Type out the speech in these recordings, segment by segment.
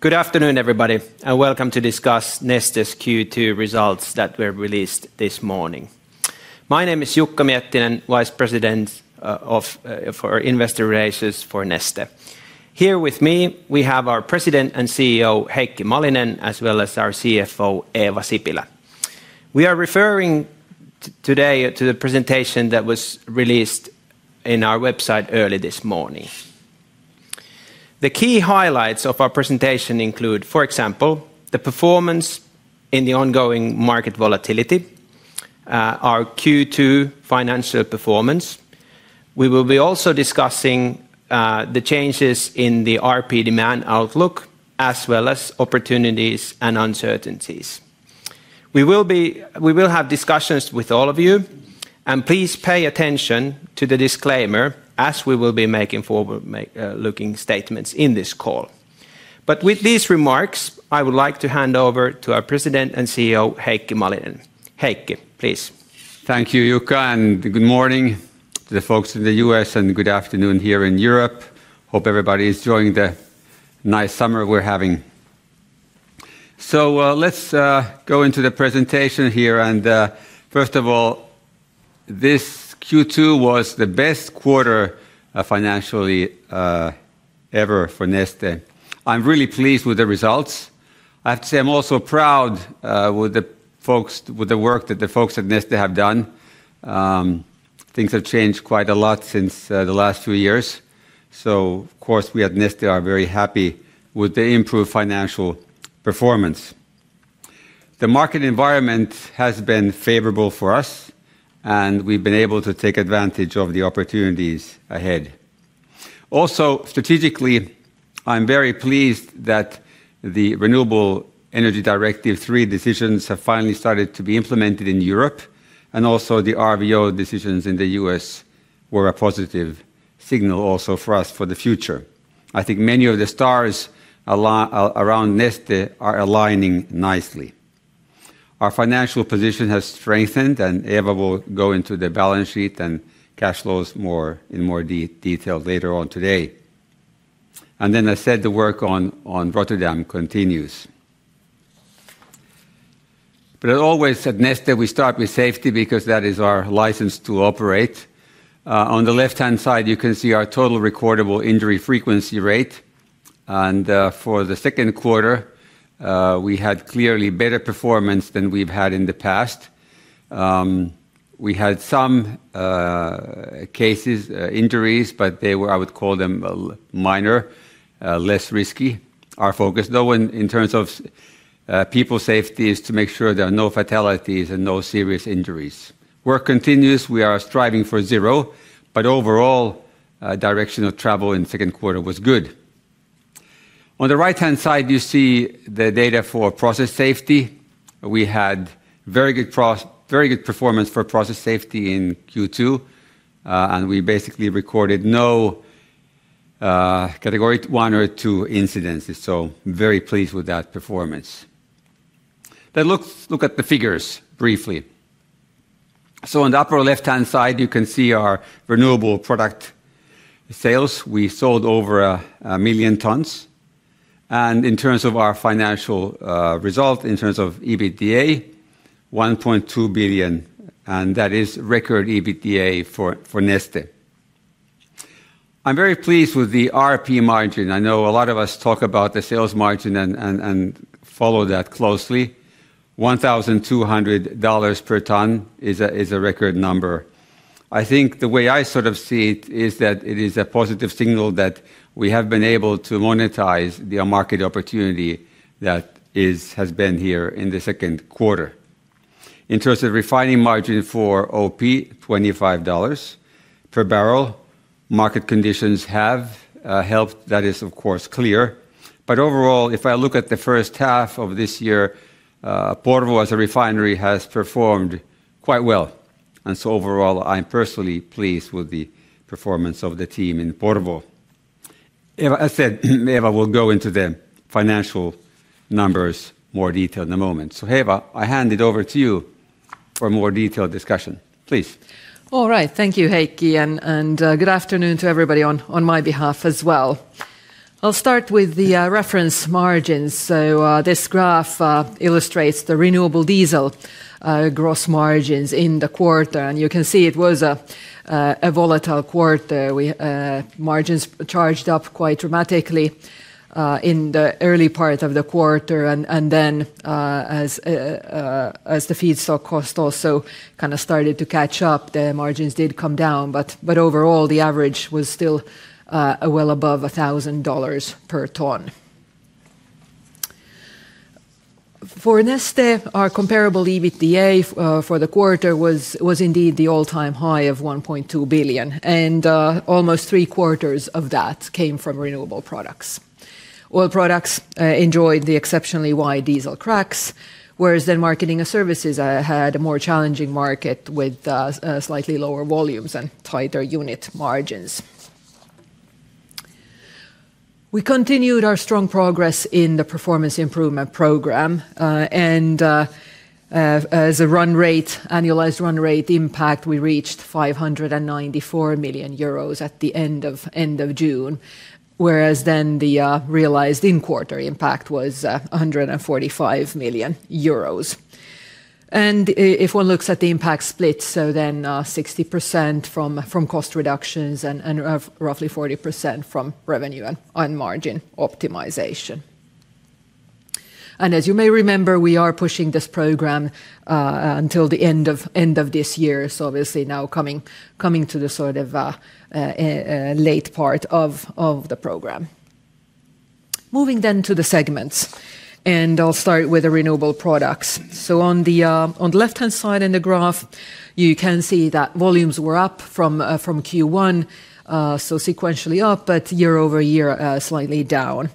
Good afternoon, everybody, and welcome to discuss Neste's Q2 results that were released this morning. My name is Jukka Miettinen, Vice President for Investor Relations for Neste. Here with me, we have our President and CEO, Heikki Malinen, as well as our CFO, Eeva Sipilä. We are referring today to the presentation that was released on our website early this morning. The key highlights of our presentation include, for example, the performance in the ongoing market volatility, our Q2 financial performance. We will be also discussing the changes in the RP demand outlook, as well as opportunities and uncertainties. We will have discussions with all of you. Please pay attention to the disclaimer, as we will be making forward-looking statements in this call. With these remarks, I would like to hand over to our President and CEO, Heikki Malinen. Heikki, please. Thank you, Jukka. Good morning to the folks in the U.S. Good afternoon here in Europe. Hope everybody is enjoying the nice summer we are having. Let's go into the presentation here. First of all, this Q2 was the best quarter financially ever for Neste. I am really pleased with the results. I have to say, I am also proud with the work that the folks at Neste have done. Things have changed quite a lot since the last few years. Of course, we at Neste are very happy with the improved financial performance. The market environment has been favorable for us. We have been able to take advantage of the opportunities ahead. Also, strategically, I am very pleased that the Renewable Energy Directive III decisions have finally started to be implemented in Europe. Also, the RVO decisions in the U.S. were a positive signal also for us for the future. I think many of the stars around Neste are aligning nicely. Our financial position has strengthened. Eeva will go into the balance sheet and cash flows in more detail later on today. I said the work on Rotterdam continues. As always, at Neste, we start with safety because that is our license to operate. On the left-hand side, you can see our total recordable injury frequency rate. For the second quarter, we had clearly better performance than we have had in the past. We had some cases, injuries, but I would call them minor, less risky. Our focus, though, in terms of people safety, is to make sure there are no fatalities and no serious injuries. Work continues. We are striving for zero, but overall, direction of travel in the second quarter was good. On the right-hand side, you see the data for process safety. We had very good performance for process safety in Q2. We basically recorded no Category 1 or 2 incidences, so very pleased with that performance. Look at the figures briefly. On the upper left-hand side, you can see our Renewable Product sales. We sold over 1 million tons. In terms of our financial result, in terms of EBITDA, 1.2 billion, that is record EBITDA for Neste. I am very pleased with the RP margin. I know a lot of us talk about the sales margin and follow that closely. $1,200 per ton is a record number. I think the way I sort of see it is that it is a positive signal that we have been able to monetize the market opportunity that has been here in the second quarter. In terms of refining margin for OP, $25 per barrel. Market conditions have helped. That is, of course, clear. Overall, if I look at the first half of this year, Porvoo, as a refinery, has performed quite well. Overall, I'm personally pleased with the performance of the team in Porvoo. As said, Eeva will go into the financial numbers in more detail in a moment. Eeva, I hand it over to you for a more detailed discussion. Please. All right. Thank you, Heikki, and good afternoon to everybody on my behalf as well. I'll start with the reference margins. This graph illustrates the renewable diesel gross margins in the quarter, and you can see it was a volatile quarter. Margins charged up quite dramatically in the early part of the quarter, and then as the feedstock cost also started to catch up, the margins did come down. Overall, the average was still well above $1,000 per ton. For Neste, our comparable EBITDA for the quarter was indeed the all-time high of 1.2 billion, and almost three-quarters of that came from Renewable Products. Oil Products enjoyed the exceptionally wide diesel cracks, whereas Marketing & Services had a more challenging market with slightly lower volumes and tighter unit margins. We continued our strong progress in the performance improvement program. As an annualized run rate impact, we reached 594 million euros at the end of June, whereas the realized in-quarter impact was 145 million euros. If one looks at the impact split, 60% from cost reductions and roughly 40% from revenue and margin optimization. As you may remember, we are pushing this program until the end of this year. Obviously now coming to the sort of late part of the program. Moving then to the segments, I'll start with the Renewable Products. On the left-hand side in the graph, you can see that volumes were up from Q1, sequentially up, but year-over-year, slightly down.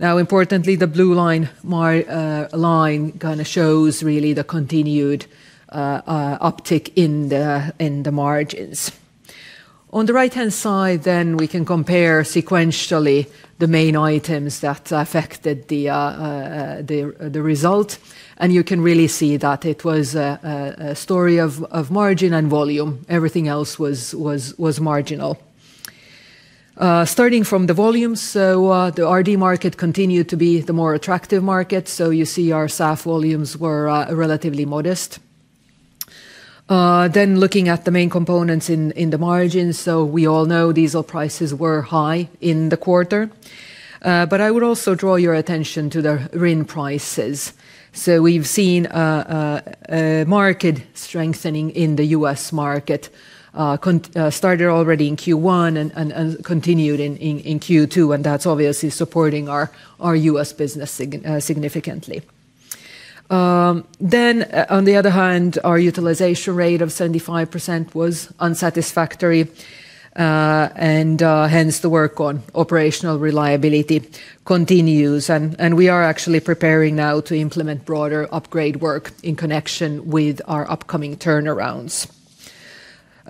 Now, importantly, the blue line shows really the continued uptick in the margins. On the right-hand side, we can compare sequentially the main items that affected the result, and you can really see that it was a story of margin and volume. Everything else was marginal. Starting from the volumes, the RD market continued to be the more attractive market, you see our SAF volumes were relatively modest. Looking at the main components in the margins, we all know diesel prices were high in the quarter. I would also draw your attention to the RIN prices. We've seen a market strengthening in the U.S. market. Started already in Q1 and continued in Q2, that's obviously supporting our U.S. business significantly. On the other hand, our utilization rate of 75% was unsatisfactory. Hence, the work on operational reliability continues, and we are actually preparing now to implement broader upgrade work in connection with our upcoming turnarounds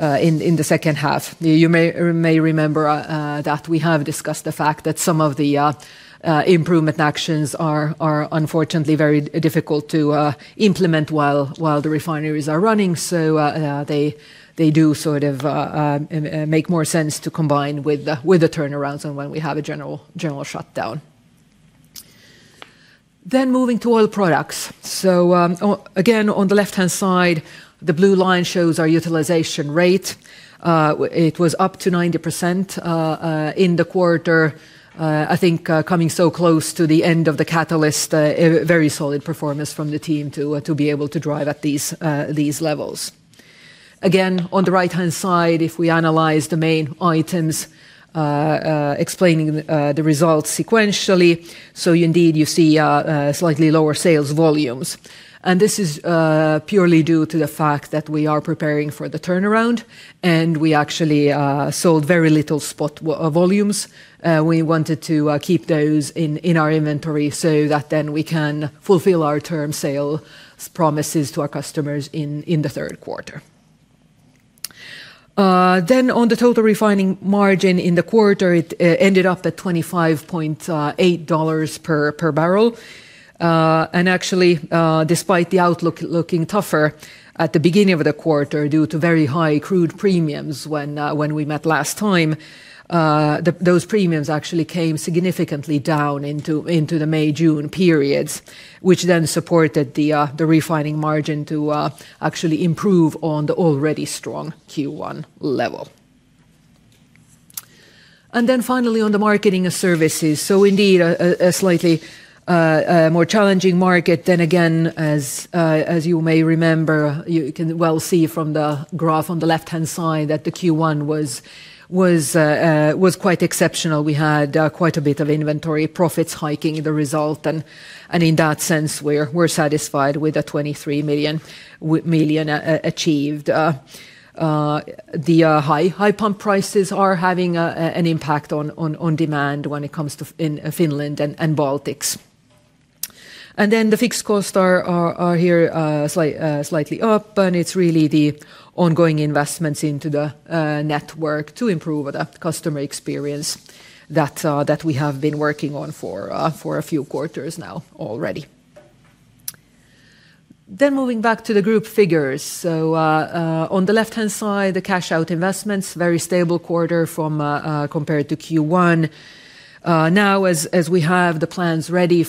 in the second half. You may remember that we have discussed the fact that some of the improvement actions are unfortunately very difficult to implement while the refineries are running. They do sort of make more sense to combine with the turnarounds and when we have a general shutdown. Moving to Oil Products. Again, on the left-hand side, the blue line shows our utilization rate. It was up to 90% in the quarter. I think coming so close to the end of the catalyst, a very solid performance from the team to be able to drive at these levels. Again, on the right-hand side, if we analyze the main items explaining the results sequentially, indeed, you see slightly lower sales volumes. This is purely due to the fact that we are preparing for the turnaround, and we actually sold very little spot volumes. We wanted to keep those in our inventory so that then we can fulfill our term sale promises to our customers in the third quarter. On the total refining margin in the quarter, it ended up at $25.8 per barrel. Actually, despite the outlook looking tougher at the beginning of the quarter due to very high crude premiums when we met last time, those premiums actually came significantly down into the May, June periods, which supported the refining margin to actually improve on the already strong Q1 level. Finally, on the Marketing & Services. Indeed, a slightly more challenging market. Again, as you may remember, you can well see from the graph on the left-hand side that the Q1 was quite exceptional. We had quite a bit of inventory profits hiking the result. In that sense, we are satisfied with the 23 million achieved. The high pump prices are having an impact on demand when it comes to in Finland and Baltics. The fixed costs are here slightly up, and it is really the ongoing investments into the network to improve the customer experience that we have been working on for a few quarters now already. Moving back to the group figures. On the left-hand side, the cash out investments, very stable quarter compared to Q1. As we have the plans ready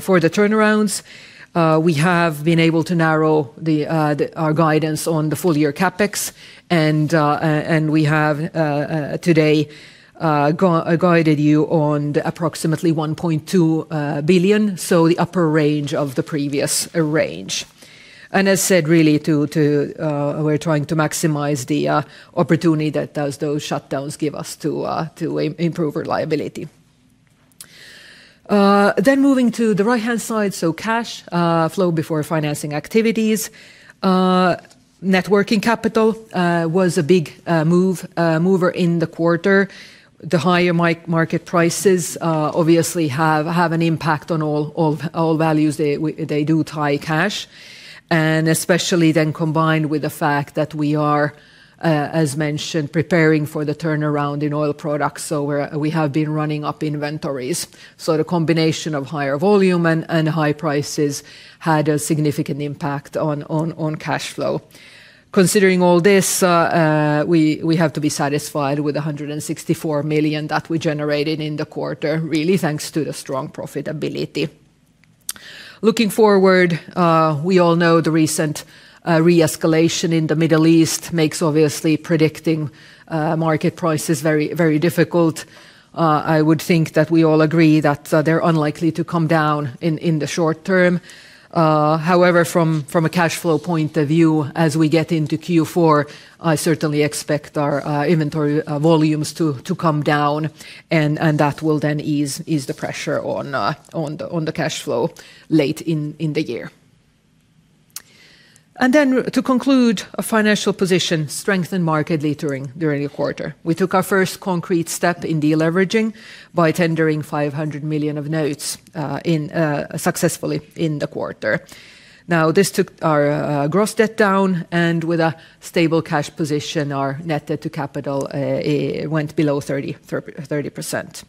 for the turnarounds, we have been able to narrow our guidance on the full year CapEx. We have today guided you on the approximately 1.2 billion, so the upper range of the previous range. As said, really, we are trying to maximize the opportunity that those shutdowns give us to improve reliability. Moving to the right-hand side, cash flow before financing activities. Net working capital was a big mover in the quarter. The higher market prices obviously have an impact on all values. They do tie cash. Especially then combined with the fact that we are, as mentioned, preparing for the turnaround in Oil Products. We have been running up inventories. The combination of higher volume and high prices had a significant impact on cash flow. Considering all this, we have to be satisfied with the 164 million that we generated in the quarter, really thanks to the strong profitability. Looking forward, we all know the recent re-escalation in the Middle East makes obviously predicting market prices very, very difficult. I would think that we all agree that they are unlikely to come down in the short term. However, from a cash flow point of view, as we get into Q4, I certainly expect our inventory volumes to come down, and that will then ease the pressure on the cash flow late in the year. To conclude, our financial position strengthened markedly during the quarter. We took our first concrete step in de-leveraging by tendering 500 million of notes successfully in the quarter. This took our gross debt down, and with a stable cash position, our net debt to capital went below 30%.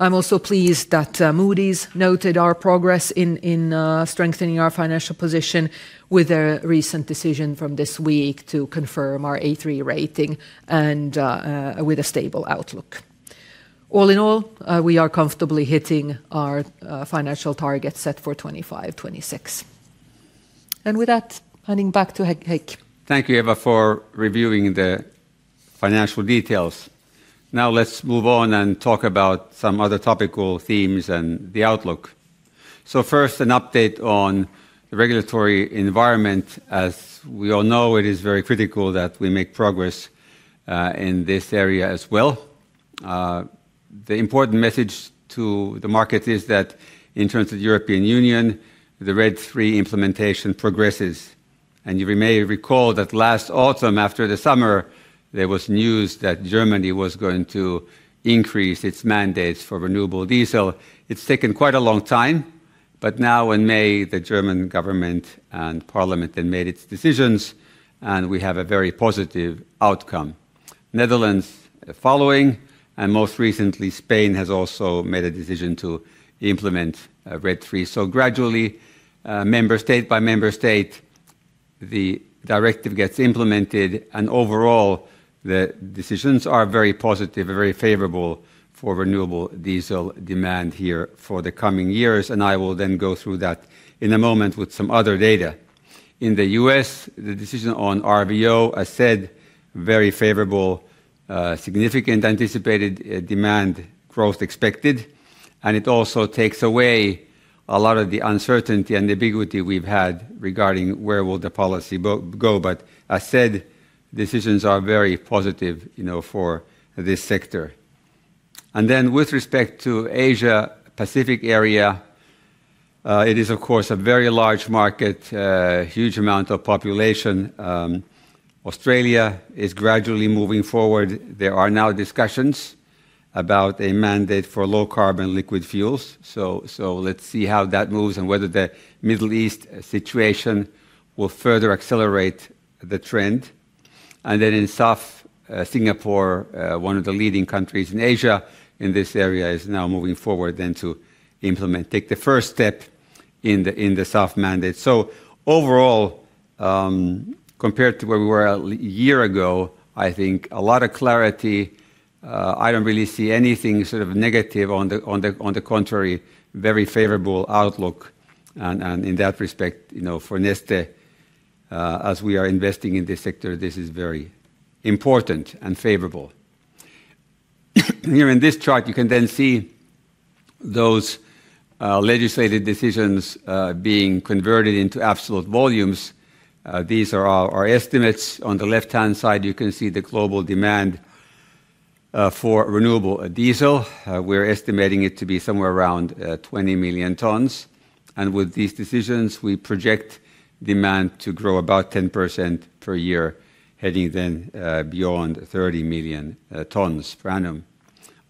I am also pleased that Moody's noted our progress in strengthening our financial position with a recent decision from this week to confirm our A3 rating and with a stable outlook. All in all, we are comfortably hitting our financial targets set for 2025-2026. With that, handing back to Heikki. Thank you, Eeva, for reviewing the financial details. Now let us move on and talk about some other topical themes and the outlook. First, an update on the regulatory environment. As we all know, it is very critical that we make progress in this area as well. The important message to the market is that in terms of European Union, the RED III implementation progresses. You may recall that last autumn, after the summer, there was news that Germany was going to increase its mandates for renewable diesel. It has taken quite a long time, but now in May, the German government and parliament then made its decisions, and we have a very positive outcome. Netherlands following, and most recently, Spain has also made a decision to implement RED III. Gradually, member state by member state, the directive gets implemented, and overall, the decisions are very positive and very favorable for renewable diesel demand here for the coming years. I will then go through that in a moment with some other data. In the U.S., the decision on RVO, as said, very favorable, significant anticipated demand growth expected, and it also takes away a lot of the uncertainty and the ambiguity we have had regarding where will the policy go. As said, decisions are very positive for this sector. With respect to Asia Pacific area, it is of course a very large market, huge amount of population. Australia is gradually moving forward. There are now discussions about a mandate for low-carbon liquid fuels. Let us see how that moves and whether the Middle East situation will further accelerate the trend. In SAF, Singapore, one of the leading countries in Asia in this area, is now moving forward to implement, take the first step in the SAF mandate. Overall, compared to where we were a year ago, I think a lot of clarity. I don't really see anything sort of negative. On the contrary, very favorable outlook. In that respect, for Neste, as we are investing in this sector, this is very important and favorable. Here in this chart, you can then see those legislated decisions being converted into absolute volumes. These are our estimates. On the left-hand side, you can see the global demand for renewable diesel. We're estimating it to be somewhere around 20 million tons. With these decisions, we project demand to grow about 10% per year, heading then beyond 30 million tons per annum.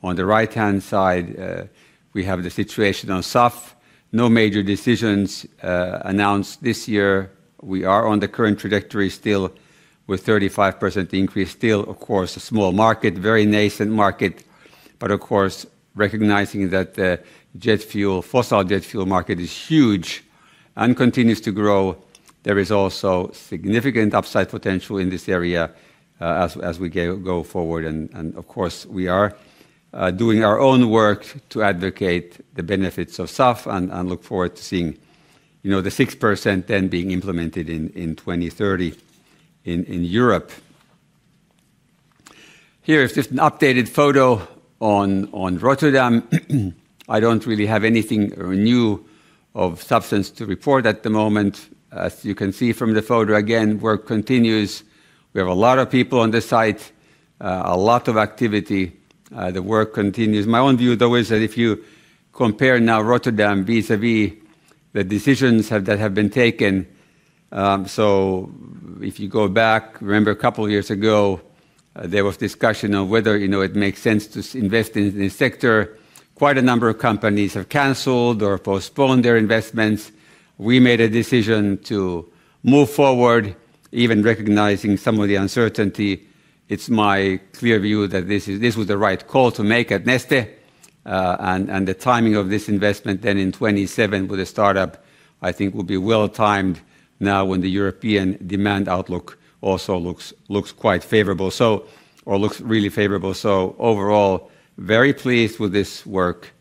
On the right-hand side, we have the situation on SAF. No major decisions announced this year. We are on the current trajectory still with 35% increase. Still, of course, a small market, very nascent market, but of course, recognizing that the fossil jet fuel market is huge and continues to grow. There is also significant upside potential in this area as we go forward. Of course, we are doing our own work to advocate the benefits of SAF and look forward to seeing the 6% then being implemented in 2030 in Europe. Here is just an updated photo on Rotterdam. I don't really have anything new of substance to report at the moment. As you can see from the photo again, work continues. We have a lot of people on this site, a lot of activity. The work continues. My own view, though, is that if you compare now Rotterdam vis-à-vis the decisions that have been taken, if you go back, remember a couple of years ago, there was discussion of whether it makes sense to invest in this sector. Quite a number of companies have canceled or postponed their investments. We made a decision to move forward, even recognizing some of the uncertainty. It's my clear view that this was the right call to make at Neste. The timing of this investment then in 2027 with a startup, I think will be well timed now when the European demand outlook also looks quite favorable, or looks really favorable. Overall, very pleased with this work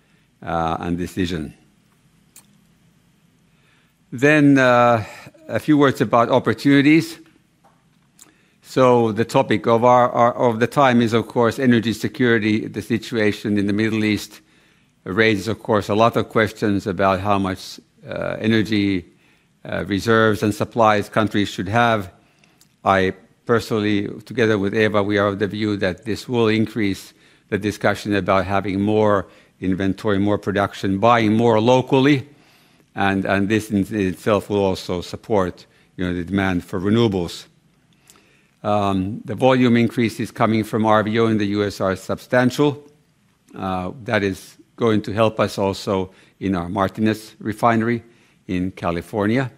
and decision. A few words about opportunities. The topic of the time is, of course, energy security. The situation in the Middle East raises, of course, a lot of questions about how much energy reserves and supplies countries should have. I personally, together with Eeva, we are of the view that this will increase the discussion about having more inventory, more production, buying more locally, and this in itself will also support the demand for renewables. The volume increases coming from RVO in the U.S. are substantial. That is going to help us also in our Martinez refinery in California.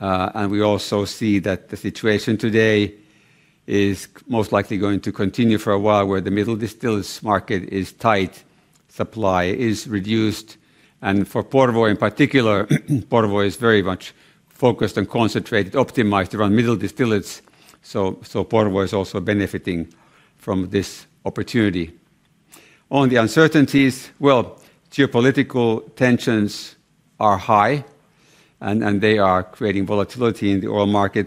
We also see that the situation today is most likely going to continue for a while, where the middle distillates market is tight, supply is reduced, and for Porvoo in particular, Porvoo is very much focused and concentrated, optimized around middle distillates. Porvoo is also benefiting from this opportunity. On the uncertainties, well, geopolitical tensions are high, and they are creating volatility in the oil market.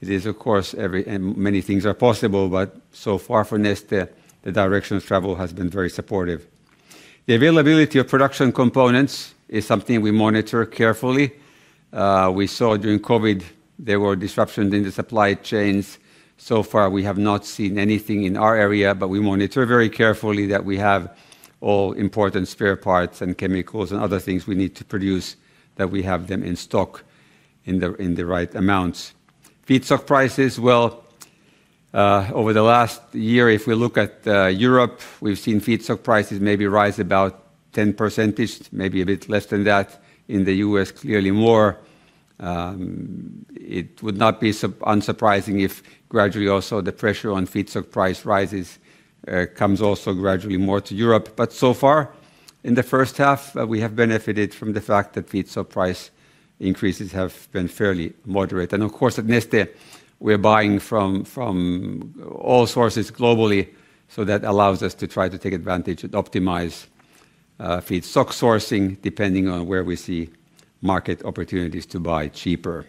It is, of course, many things are possible, but so far for Neste, the direction of travel has been very supportive. The availability of production components is something we monitor carefully. We saw during COVID, there were disruptions in the supply chains. So far, we have not seen anything in our area, but we monitor very carefully that we have all important spare parts and chemicals and other things we need to produce, that we have them in stock in the right amounts. Feedstock prices, well, over the last year, if we look at Europe, we've seen feedstock prices maybe rise about 10%, maybe a bit less than that. In the U.S., clearly more. So far in the first half, we have benefited from the fact that feedstock price increases have been fairly moderate. Of course, at Neste, we're buying from all sources globally, so that allows us to try to take advantage and optimize feedstock sourcing depending on where we see market opportunities to buy cheaper.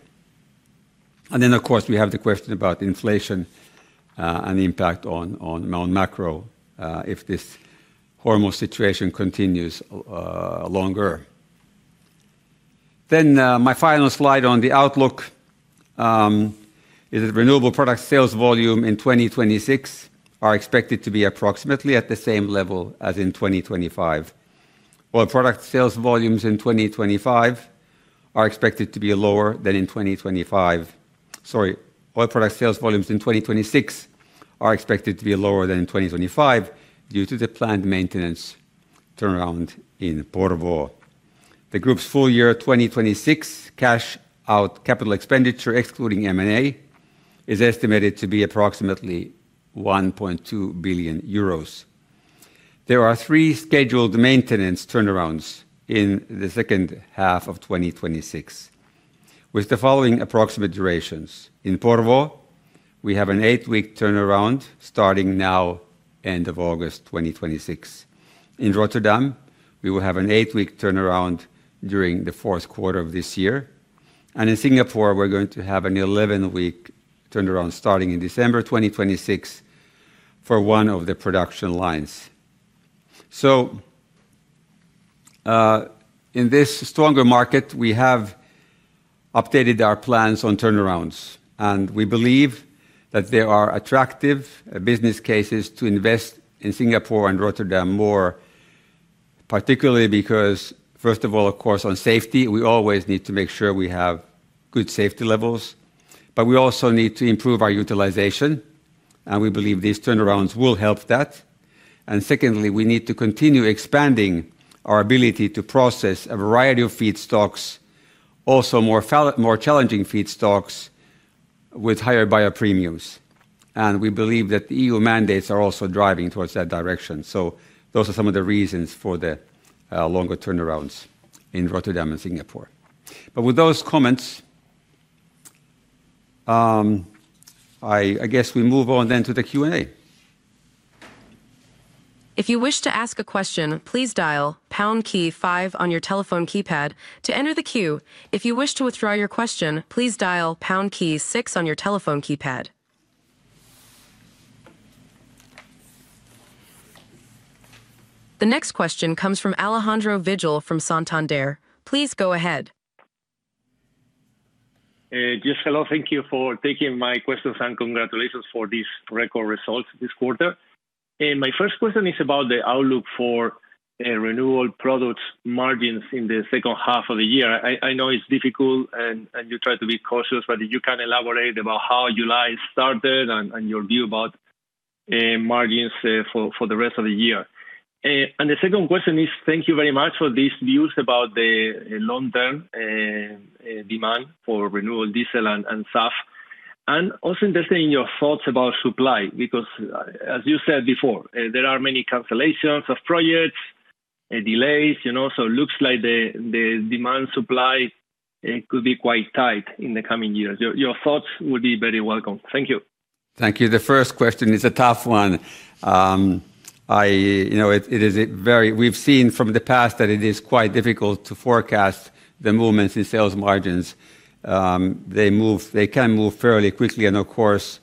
Then, of course, we have the question about inflation, and the impact on macro, if this horrible situation continues longer. My final slide on the outlook, is that Renewable Product sales volume in 2026 are expected to be approximately at the same level as in 2025, while product sales volumes in 2025 are expected to be lower than in 2025. Sorry. Oil Product sales volumes in 2026 are expected to be lower than in 2025 due to the planned maintenance turnaround in Porvoo. The Group's full year 2026 cash out CapEx, excluding M&A, is estimated to be approximately 1.2 billion euros. There are three scheduled maintenance turnarounds in the second half of 2026, with the following approximate durations. In Porvoo, we have an eight-week turnaround starting now, end of August 2026. In Rotterdam, we will have an eight-week turnaround during the fourth quarter of this year. In Singapore, we're going to have an 11-week turnaround starting in December 2026 for one of the production lines. In this stronger market, we have updated our plans on turnarounds, and we believe that there are attractive business cases to invest in Singapore and Rotterdam more, particularly because, first of all, of course, on safety, we always need to make sure we have good safety levels. We also need to improve our utilization, and we believe these turnarounds will help that. Secondly, we need to continue expanding our ability to process a variety of feedstocks, also more challenging feedstocks with higher buyer premiums. We believe that the EU mandates are also driving towards that direction. Those are some of the reasons for the longer turnarounds in Rotterdam and Singapore. With those comments, I guess we move on then to the Q&A. If you wish to ask a question, please dial pound key five on your telephone keypad to enter the queue. If you wish to withdraw your question, please dial pound key six on your telephone keypad. The next question comes from Alejandro Vigil from Santander. Please go ahead. Yes. Hello. Thank you for taking my questions, congratulations for these record results this quarter. My first question is about the outlook for renewal products margins in the second half of the year. I know it's difficult and you try to be cautious, but you can elaborate about how July started and your view about margins for the rest of the year. The second question is, thank you very much for these views about the long-term demand for renewable diesel and SAF. Also interested in your thoughts about supply, because as you said before, there are many cancellations of projects, delays. It looks like the demand supply could be quite tight in the coming years. Your thoughts would be very welcome. Thank you. Thank you. The first question is a tough one. We've seen from the past that it is quite difficult to forecast the movements in sales margins. They can move fairly quickly. Of course,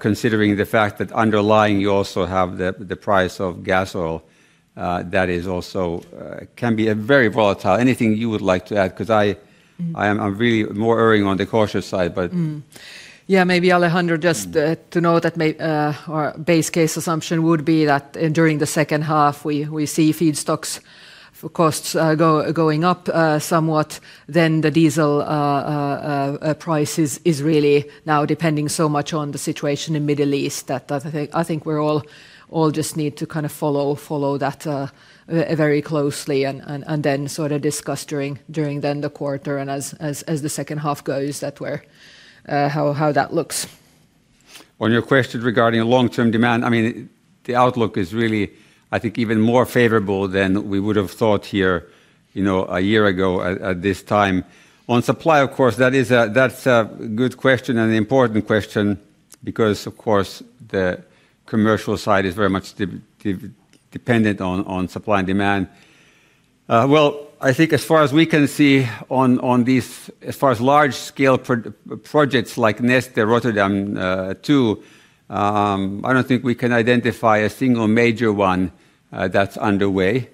considering the fact that underlying, you also have the price of gas oil, that also can be very volatile. Anything you would like to add? Because I'm really more erring on the cautious side, but- Yeah. Maybe Alejandro, just to know that our base case assumption would be that during the second half, we see feedstocks costs going up somewhat, the diesel price is really now depending so much on the situation in Middle East that I think we all just need to follow that very closely and then sort of discuss during then the quarter and as the second half goes, how that looks. On your question regarding long-term demand, the outlook is really, I think, even more favorable than we would have thought here a year ago at this time. On supply, of course, that's a good question and an important question because, of course, the commercial side is very much dependent on supply and demand. Well, I think as far as we can see on these, as far as large-scale projects like Neste Rotterdam 2, I don't think we can identify a single major one that's underway.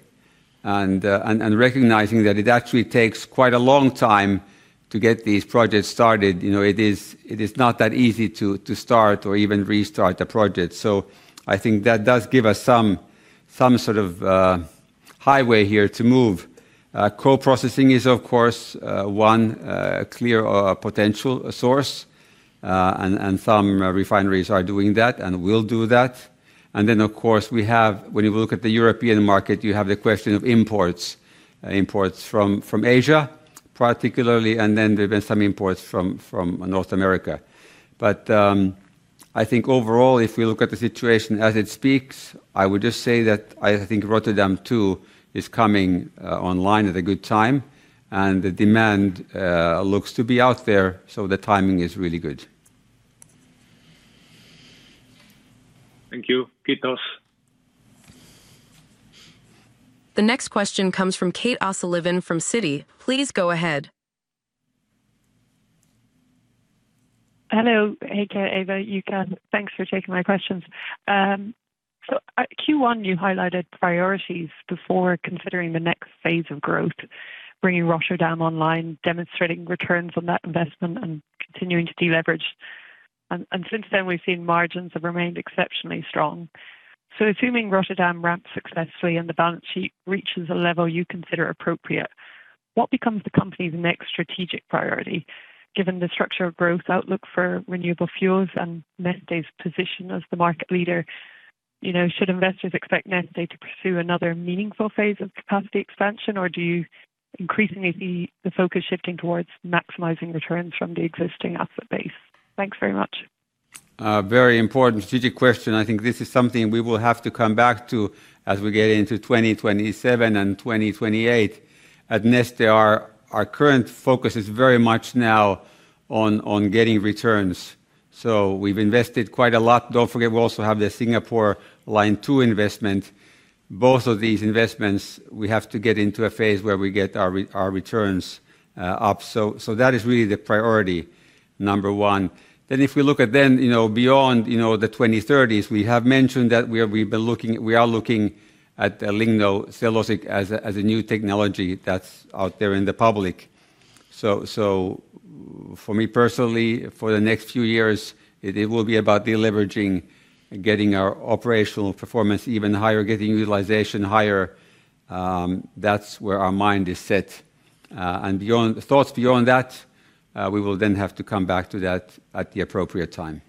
Recognizing that it actually takes quite a long time to get these projects started. It is not that easy to start or even restart a project. I think that does give us some sort of highway here to move. Co-processing is, of course, one clear potential source, and some refineries are doing that and will do that. Then, of course, when you look at the European market, you have the question of imports. Imports from Asia, particularly, and then there have been some imports from North America. I think overall, if we look at the situation as it speaks, I would just say that I think Rotterdam 2 is coming online at a good time, and the demand looks to be out there. The timing is really good. Thank you. The next question comes from Kate O'Sullivan from Citi. Please go ahead. Hello. Heikki, Eeva, Jukka, thanks for taking my questions. Q1, you highlighted priorities before considering the next phase of growth, bringing Rotterdam online, demonstrating returns on that investment and continuing to deleverage. Since then, we've seen margins have remained exceptionally strong. Assuming Rotterdam ramps successfully and the balance sheet reaches a level you consider appropriate, what becomes the company's next strategic priority, given the structural growth outlook for renewable fuels and Neste's position as the market leader? You know, should investors expect [Neste to pursue another meaningful phase past the expansion?] Or do you increasingly see the focus shifting towards maximizing returns from the existing asset base? Thanks very much. A very important strategic question. I think this is something we will have to come back to as we get into 2027 and 2028. At Neste, our current focus is very much now on getting returns. We've invested quite a lot. Don't forget, we also have the Singapore Expansion Project investment. Both of these investments, we have to get into a phase where we get our returns up. That is really the priority number one. If we look at then, beyond the 2030s, we have mentioned that we are looking at lignocellulosic as a new technology that's out there in the public. For me personally, for the next few years, it will be about deleveraging, getting our operational performance even higher, getting utilization higher. That's where our mind is set. Thoughts beyond that, we will then have to come back to that at the appropriate time.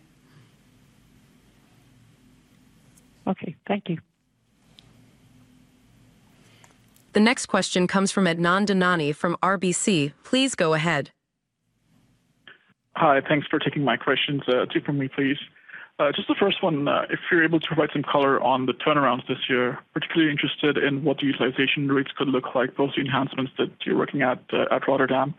Okay. Thank you. The next question comes from Adnan Dhanani from RBC. Please go ahead. Hi. Thanks for taking my questions. Two from me, please. Just the first one, if you're able to provide some color on the turnarounds this year, particularly interested in what the utilization rates could look like, those enhancements that you're working at Rotterdam.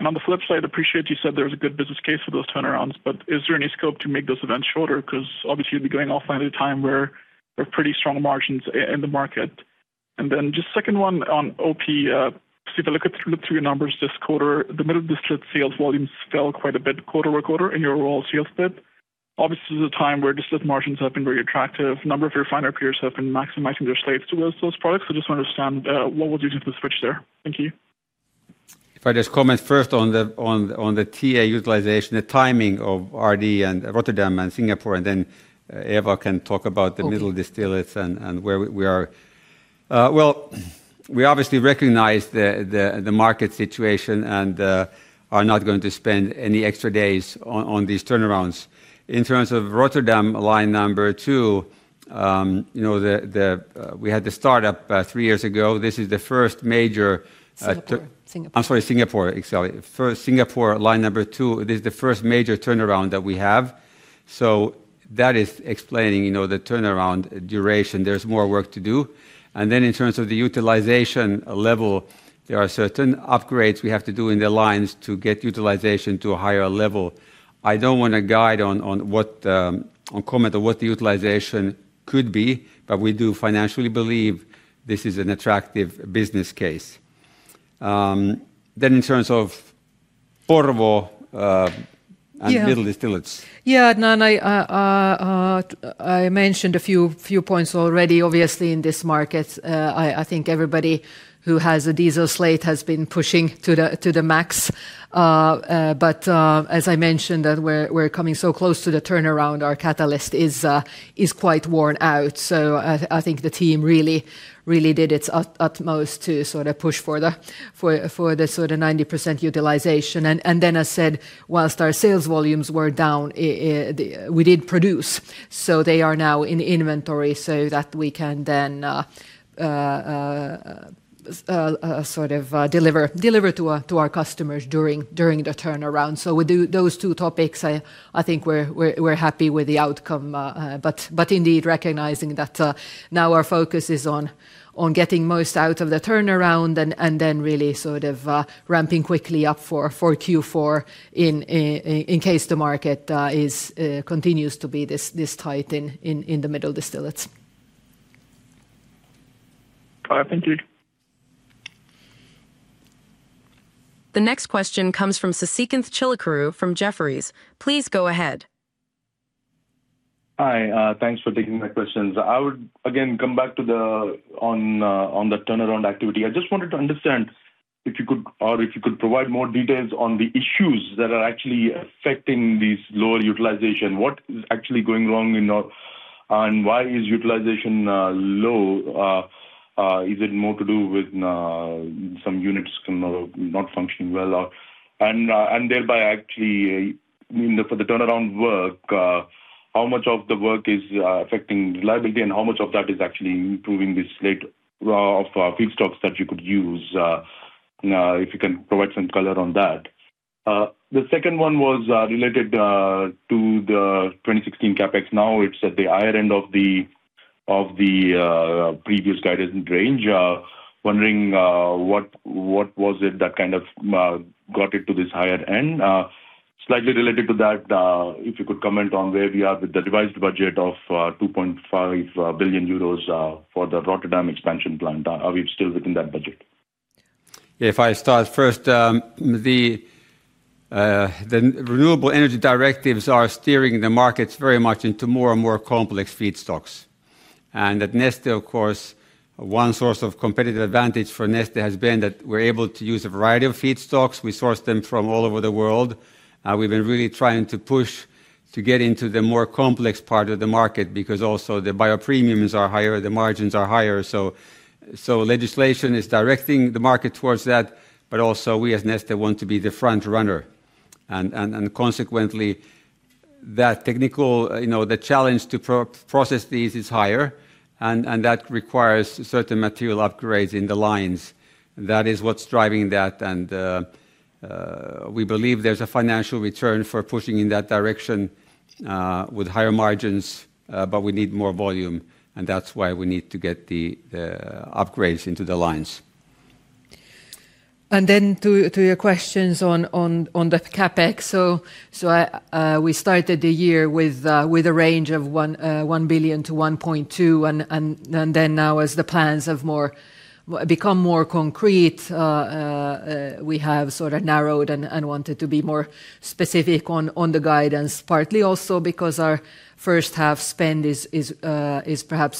On the flip side, appreciate you said there was a good business case for those turnarounds, but is there any scope to make those events shorter? Because obviously you'd be going offline at a time where there are pretty strong margins in the market. Just second one on OP. If I look at through the three numbers this quarter, the middle distillates sales volumes fell quite a bit quarter-over-quarter in your raw sales bit. Obviously, this is a time where distillates margins have been very attractive. A number of your refiner peers have been maximizing their stakes towards those products. Just want to understand what was used in the switch there. Thank you. I just comment first on the TA utilization, the timing of RD and Rotterdam and Singapore, and then Eeva can talk about- Okay. -middle distillates and where we are. We obviously recognize the market situation and are not going to spend any extra days on these turnarounds. In terms of Rotterdam line number two, we had the startup three years ago. This is the first major- Singapore. I'm sorry, Singapore. Singapore line number two, it is the first major turnaround that we have. That is explaining the turnaround duration. There's more work to do. In terms of the utilization level, there are certain upgrades we have to do in the lines to get utilization to a higher level. I don't want to guide on comment on what the utilization could be, but we do financially believe this is an attractive business case. In terms of Porvoo- Yeah. -middle distillates. I mentioned a few points already. Obviously, in this market, I think everybody who has a diesel slate has been pushing to the max. As I mentioned, we're coming so close to the turnaround, our catalyst is quite worn out. I think the team really did its utmost to sort of push for the 90% utilization. I said, whilst our sales volumes were down, we did produce. They are now in inventory so that we can then sort of deliver to our customers during the turnaround. With those two topics, I think we're happy with the outcome. Indeed, recognizing that now our focus is on getting most out of the turnaround and then really sort of ramping quickly up for Q4 in case the market continues to be this tight in the middle distillates. Thank you. The next question comes from Sasikanth Chilukuru from Jefferies. Please go ahead. Hi. Thanks for taking my questions. I would again come back on the turnaround activity. I just wanted to understand if you could provide more details on the issues that are actually affecting these lower utilization. What is actually going wrong, and why is utilization low? Is it more to do with some units not functioning well out? Thereby actually for the turnaround work, how much of the work is affecting reliability, and how much of that is actually improving the slate of feedstocks that you could use? If you can provide some color on that. The second one was related to the 2026 CapEx. Now it's at the higher end of the previous guidance range. Wondering what was it that got it to this higher end. Slightly related to that, if you could comment on where we are with the revised budget of 2.5 billion euros for the Rotterdam expansion plan. Are we still within that budget? If I start first, the Renewable Energy Directives are steering the markets very much into more and more complex feedstocks. At Neste, of course, one source of competitive advantage for Neste has been that we are able to use a variety of feedstocks. We source them from all over the world. We have been really trying to push to get into the more complex part of the market because also the biopremiums are higher, the margins are higher. Legislation is directing the market towards that, but also we at Neste want to be the front-runner. Consequently, the challenge to process these is higher, and that requires certain material upgrades in the lines. That is what is driving that, and we believe there is a financial return for pushing in that direction with higher margins. We need more volume, and that is why we need to get the upgrades into the lines. To your questions on the CapEx. We started the year with a range of 1 billion-1.2 billion, and then now as the plans have become more concrete, we have sort of narrowed and wanted to be more specific on the guidance. Partly also because our first half spend is perhaps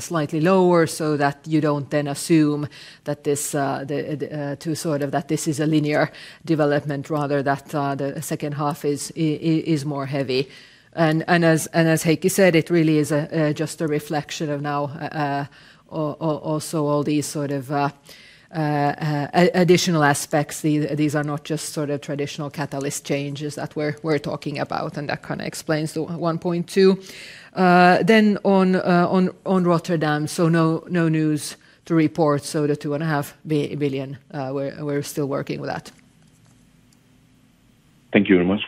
slightly lower, so that you do not then assume that this is a linear development, rather that the second half is more heavy. As Heikki said, it really is just a reflection of now also all these sort of additional aspects. These are not just traditional catalyst changes that we are talking about, and that explains the 1.2 billion. Then on Rotterdam, no news to report. The 2.5 billion, we are still working with that. Thank you very much.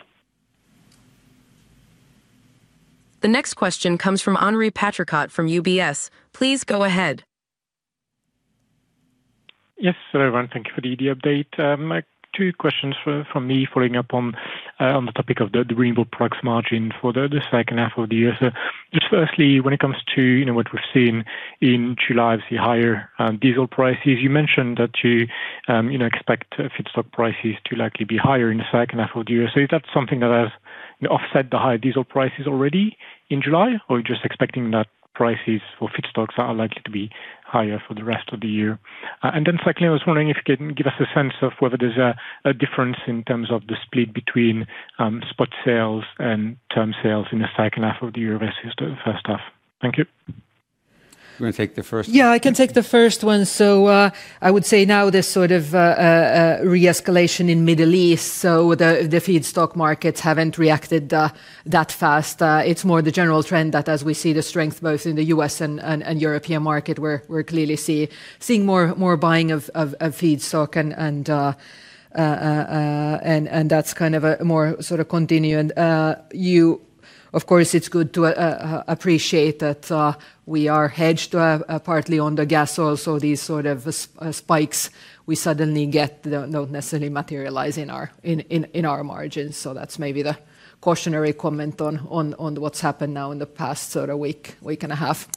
The next question comes from Henri Patricot from UBS. Please go ahead. Yes. Hello, everyone. Thank you for the update. Two questions from me following up on the topic of the Renewable Products margin for the second half of the year. Just firstly, when it comes to what we've seen in July, obviously higher diesel prices, you mentioned that you expect feedstock prices to likely be higher in the second half of the year. Is that something that has offset the high diesel prices already in July, or are you just expecting that prices for feedstock are likely to be higher for the rest of the year? Secondly, I was wondering if you can give us a sense of whether there's a difference in terms of the split between spot sales and term sales in the second half of the year versus the first half. Thank you. You want to take the first one? Yeah, I can take the first one. I would say now this sort of re-escalation in Middle East, so the feedstock markets haven't reacted that fast. It's more the general trend that as we see the strength both in the U.S. and European market, we're clearly seeing more buying of feedstock, and that's more continuing. Of course, it's good to appreciate that we are hedged partly on the gas oil, so these sort of spikes we suddenly get don't necessarily materialize in our margins. That's maybe the cautionary comment on what's happened now in the past week and a half.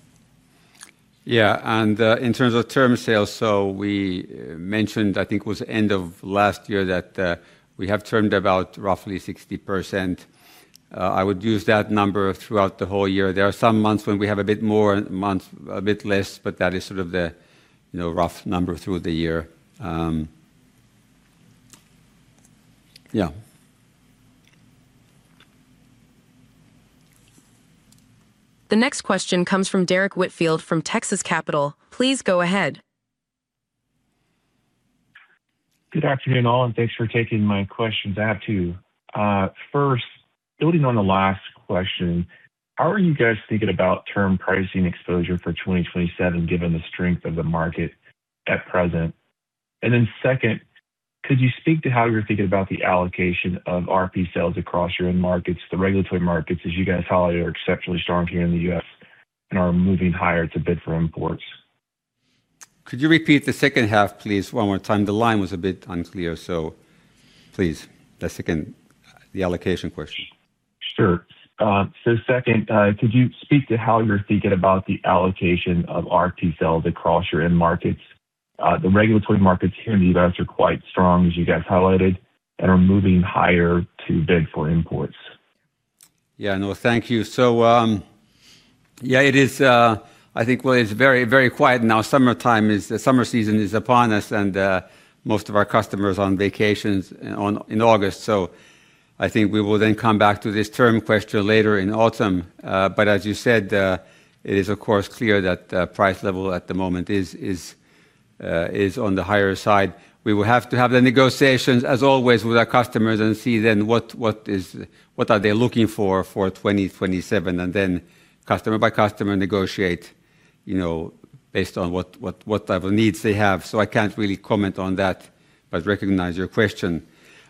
Yeah. In terms of term sales, so we mentioned, I think it was end of last year, that we have termed about roughly 60%. I would use that number throughout the whole year. There are some months when we have a bit more, months a bit less, but that is sort of the rough number through the year. Yeah. The next question comes from Derrick Whitfield from Texas Capital. Please go ahead. Good afternoon, all, thanks for taking my questions. I have two. First, building on the last question, how are you guys thinking about term pricing exposure for 2027, given the strength of the market at present? Second, could you speak to how you're thinking about the allocation of RP sales across your end markets? The regulatory markets, as you guys highlight, are exceptionally strong here in the U.S. and are moving higher to bid for imports. Could you repeat the second half, please, one more time? The line was a bit unclear, please, the second, the allocation question. Sure. Second, could you speak to how you're thinking about the allocation of RP sales across your end markets? The regulatory markets here in the U.S. are quite strong, as you guys highlighted, are moving higher to bid for imports. Thank you. I think it's very quiet now. The summer season is upon us, and most of our customers on vacations in August. I think we will then come back to this term question later in autumn. As you said, it is of course clear that price level at the moment is on the higher side. We will have to have the negotiations as always with our customers and see then what are they looking for 2027, and then customer by customer negotiate based on what type of needs they have. I can't really comment on that, but recognize your question.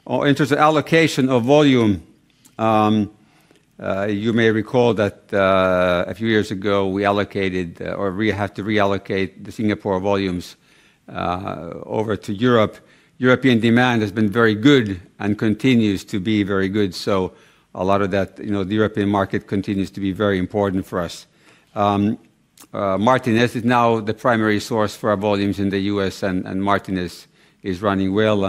In terms of allocation of volume, you may recall that a few years ago we allocated, or we had to reallocate the Singapore volumes over to Europe. European demand has been very good and continues to be very good. A lot of that, the European market continues to be very important for us. Martinez is now the primary source for our volumes in the U.S., and Martinez is running well,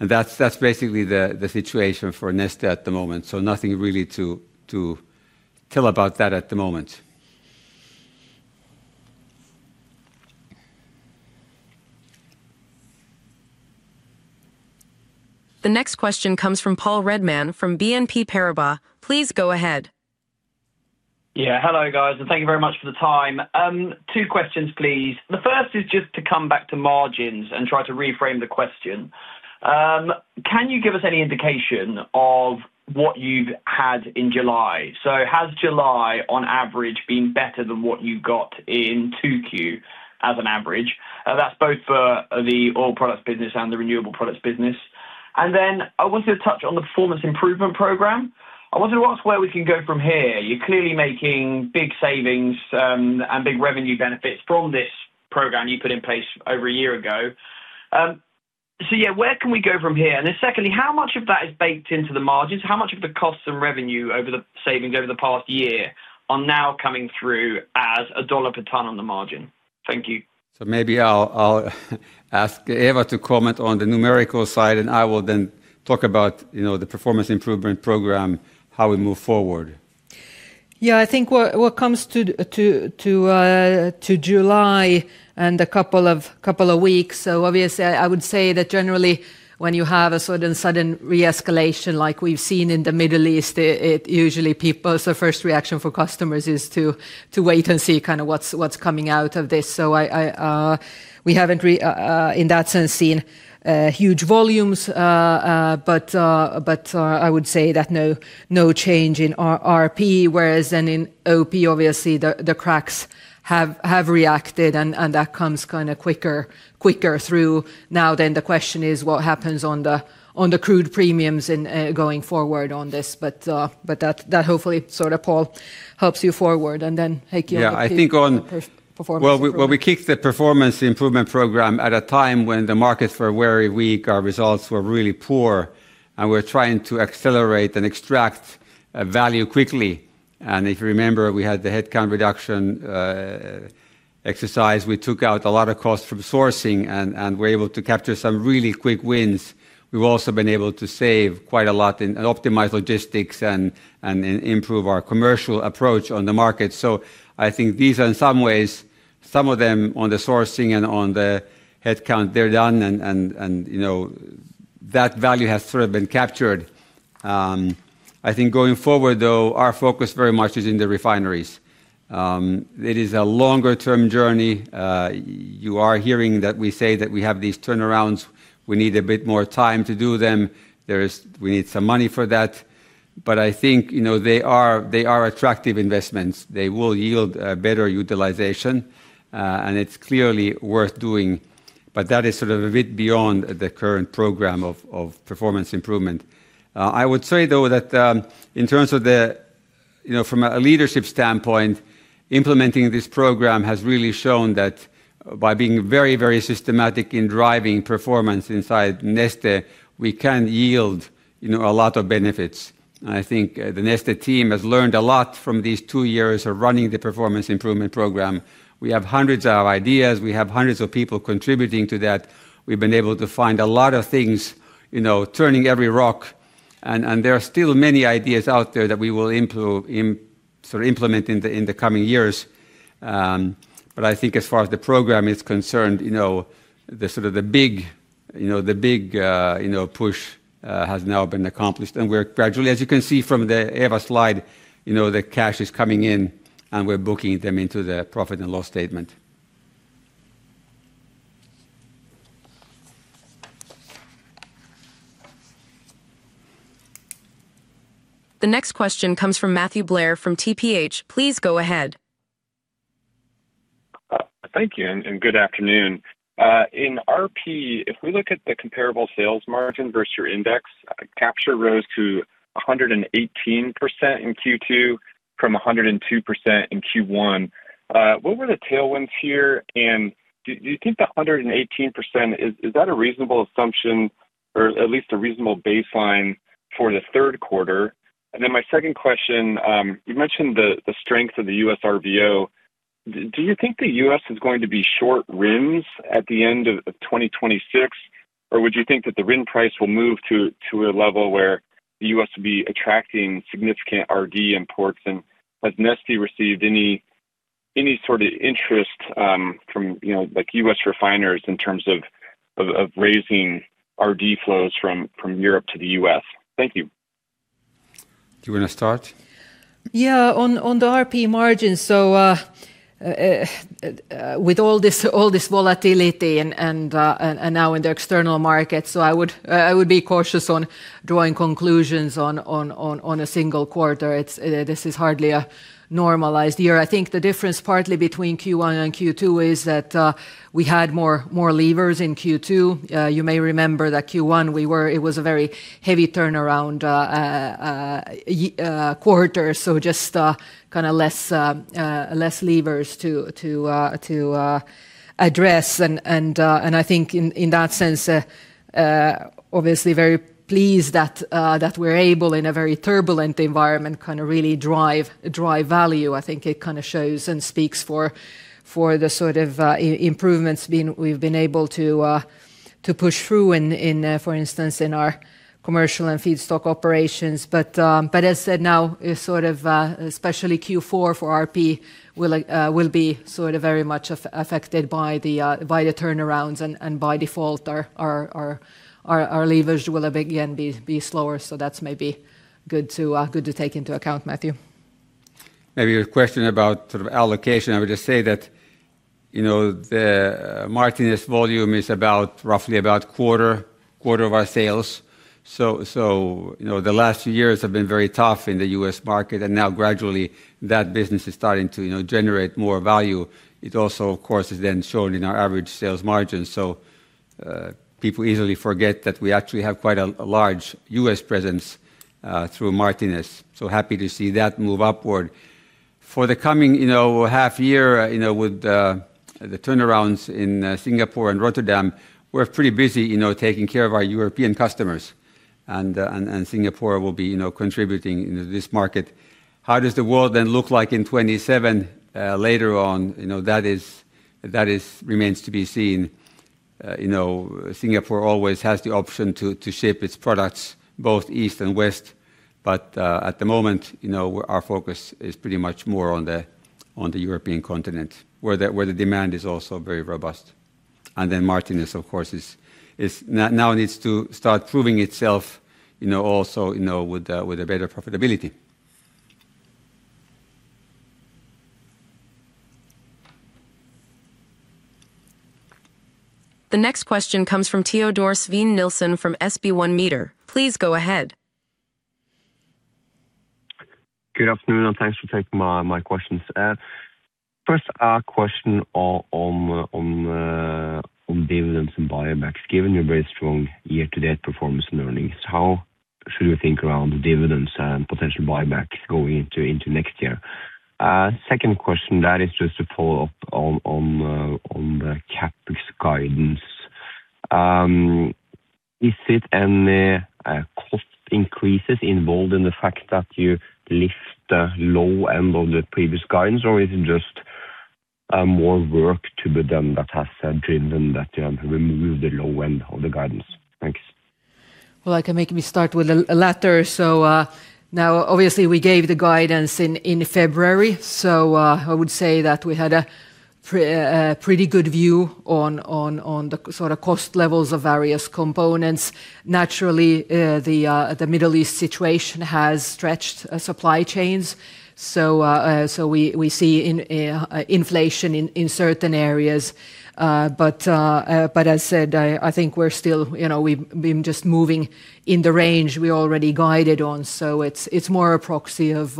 and that's basically the situation for Neste at the moment. Nothing really to tell about that at the moment. The next question comes from Paul Redman from BNP Paribas. Please go ahead. Hello, guys, and thank you very much for the time. Two questions, please. The first is just to come back to margins and try to reframe the question. Can you give us any indication of what you've had in July? Has July on average been better than what you got in 2Q as an average? That's both for the Oil Products business and the Renewable Products business. I wanted to touch on the performance improvement program. I wanted to ask where we can go from here. You're clearly making big savings and big revenue benefits from this program you put in place over a year ago. Where can we go from here? Secondly, how much of that is baked into the margins? How much of the cost and revenue over the savings over the past year are now coming through as a dollar per ton on the margin? Thank you. Maybe I'll ask Eeva to comment on the numerical side, I will then talk about the performance improvement program, how we move forward. I think what comes to July and the couple of weeks, obviously, I would say that generally when you have a sort of sudden re-escalation like we've seen in the Middle East, it usually the first reaction for customers is to wait and see what's coming out of this. We haven't in that sense seen huge volumes, I would say that no change in RP, whereas in OP obviously the cracks have reacted that comes quicker through now than the question is what happens on the crude premiums in going forward on this. That hopefully sort of, Paul, helps you forward, and then Heikki- Yeah, I think- performance. When we kicked the performance improvement program at a time when the markets were very weak, our results were really poor, and we're trying to accelerate and extract value quickly. If you remember, we had the headcount reduction exercise. We took out a lot of costs from sourcing, and we're able to capture some really quick wins. We've also been able to save quite a lot and optimize logistics and improve our commercial approach on the market. I think these are in some ways, some of them on the sourcing and on the headcount, they're done and that value has sort of been captured. Going forward, though, our focus very much is in the refineries. It is a longer-term journey. You are hearing that we say that we have these turnarounds. We need a bit more time to do them. We need some money for that. I think they are attractive investments. They will yield better utilization, and it's clearly worth doing. That is sort of a bit beyond the current program of performance improvement. I would say, though, that from a leadership standpoint, implementing this program has really shown that by being very, very systematic in driving performance inside Neste, we can yield a lot of benefits. I think the Neste team has learned a lot from these two years of running the performance improvement program. We have hundreds of ideas. We have hundreds of people contributing to that. We've been able to find a lot of things, turning every rock, and there are still many ideas out there that we will implement in the coming years. I think as far as the program is concerned, the big push has now been accomplished, and we're gradually, as you can see from the Eeva slide, the cash is coming in, and we're booking them into the profit and loss statement. The next question comes from Matthew Blair from TPH. Please go ahead. Thank you, and good afternoon. In RP, if we look at the comparable sales margin versus your index, capture rose to 118% in Q2 from 102% in Q1. What were the tailwinds here? Do you think the 118%, is that a reasonable assumption or at least a reasonable baseline for the third quarter? My second question, you mentioned the strength of the U.S. RVO. Do you think the U.S. is going to be short RINs at the end of 2026? Or would you think that the RIN price will move to a level where the U.S. will be attracting significant RD imports? Has Neste received any sort of interest from U.S. refiners in terms of raising RD flows from Europe to the U.S.? Thank you. Do you want to start? On the RP margin, with all this volatility and now in the external market, I would be cautious on drawing conclusions on a single quarter. This is hardly a normalized year. I think the difference partly between Q1 and Q2 is that we had more levers in Q2. You may remember that Q1, it was a very heavy turnaround quarter, just less levers to address. I think in that sense, obviously very pleased that we're able, in a very turbulent environment, really drive value. I think it shows and speaks for the sort of improvements we've been able to push through, for instance, in our commercial and feedstock operations. As said now, especially Q4 for RP will be very much affected by the turnarounds, and by default, our levers will again be slower. That's maybe good to take into account, Matthew. Maybe your question about sort of allocation, I would just say that the Martinez volume is roughly about a quarter of our sales. The last few years have been very tough in the U.S. market, and now gradually that business is starting to generate more value. It also, of course, is then shown in our average sales margin. People easily forget that we actually have quite a large U.S. presence through Martinez. Happy to see that move upward. For the coming half year, with the turnarounds in Singapore and Rotterdam, we're pretty busy taking care of our European customers. Singapore will be contributing in this market. How does the world then look like in 2027, later on? That remains to be seen. Singapore always has the option to ship its products both east and west. At the moment, our focus is pretty much more on the European continent, where the demand is also very robust. Then Martinez, of course, now needs to start proving itself also with a better profitability. The next question comes from Teodor Sveen-Nilsen from [SB1 Market]. Please go ahead. Good afternoon, thanks for taking my questions. First question on dividends and buybacks. Given your very strong year-to-date performance and earnings, how should we think around dividends and potential buybacks going into next year? Second question that is just to follow up on the CapEx guidance. Is it any cost increases involved in the fact that you lift the low end of the previous guidance, or is it just more work to be done that has driven that remove the low end of the guidance? Thanks. I can maybe start with the latter. Now obviously we gave the guidance in February. I would say that we had a pretty good view on the cost levels of various components. Naturally, the Middle East situation has stretched supply chains, so we see inflation in certain areas. As said, I think we're still just moving in the range we already guided on. It's more a proxy of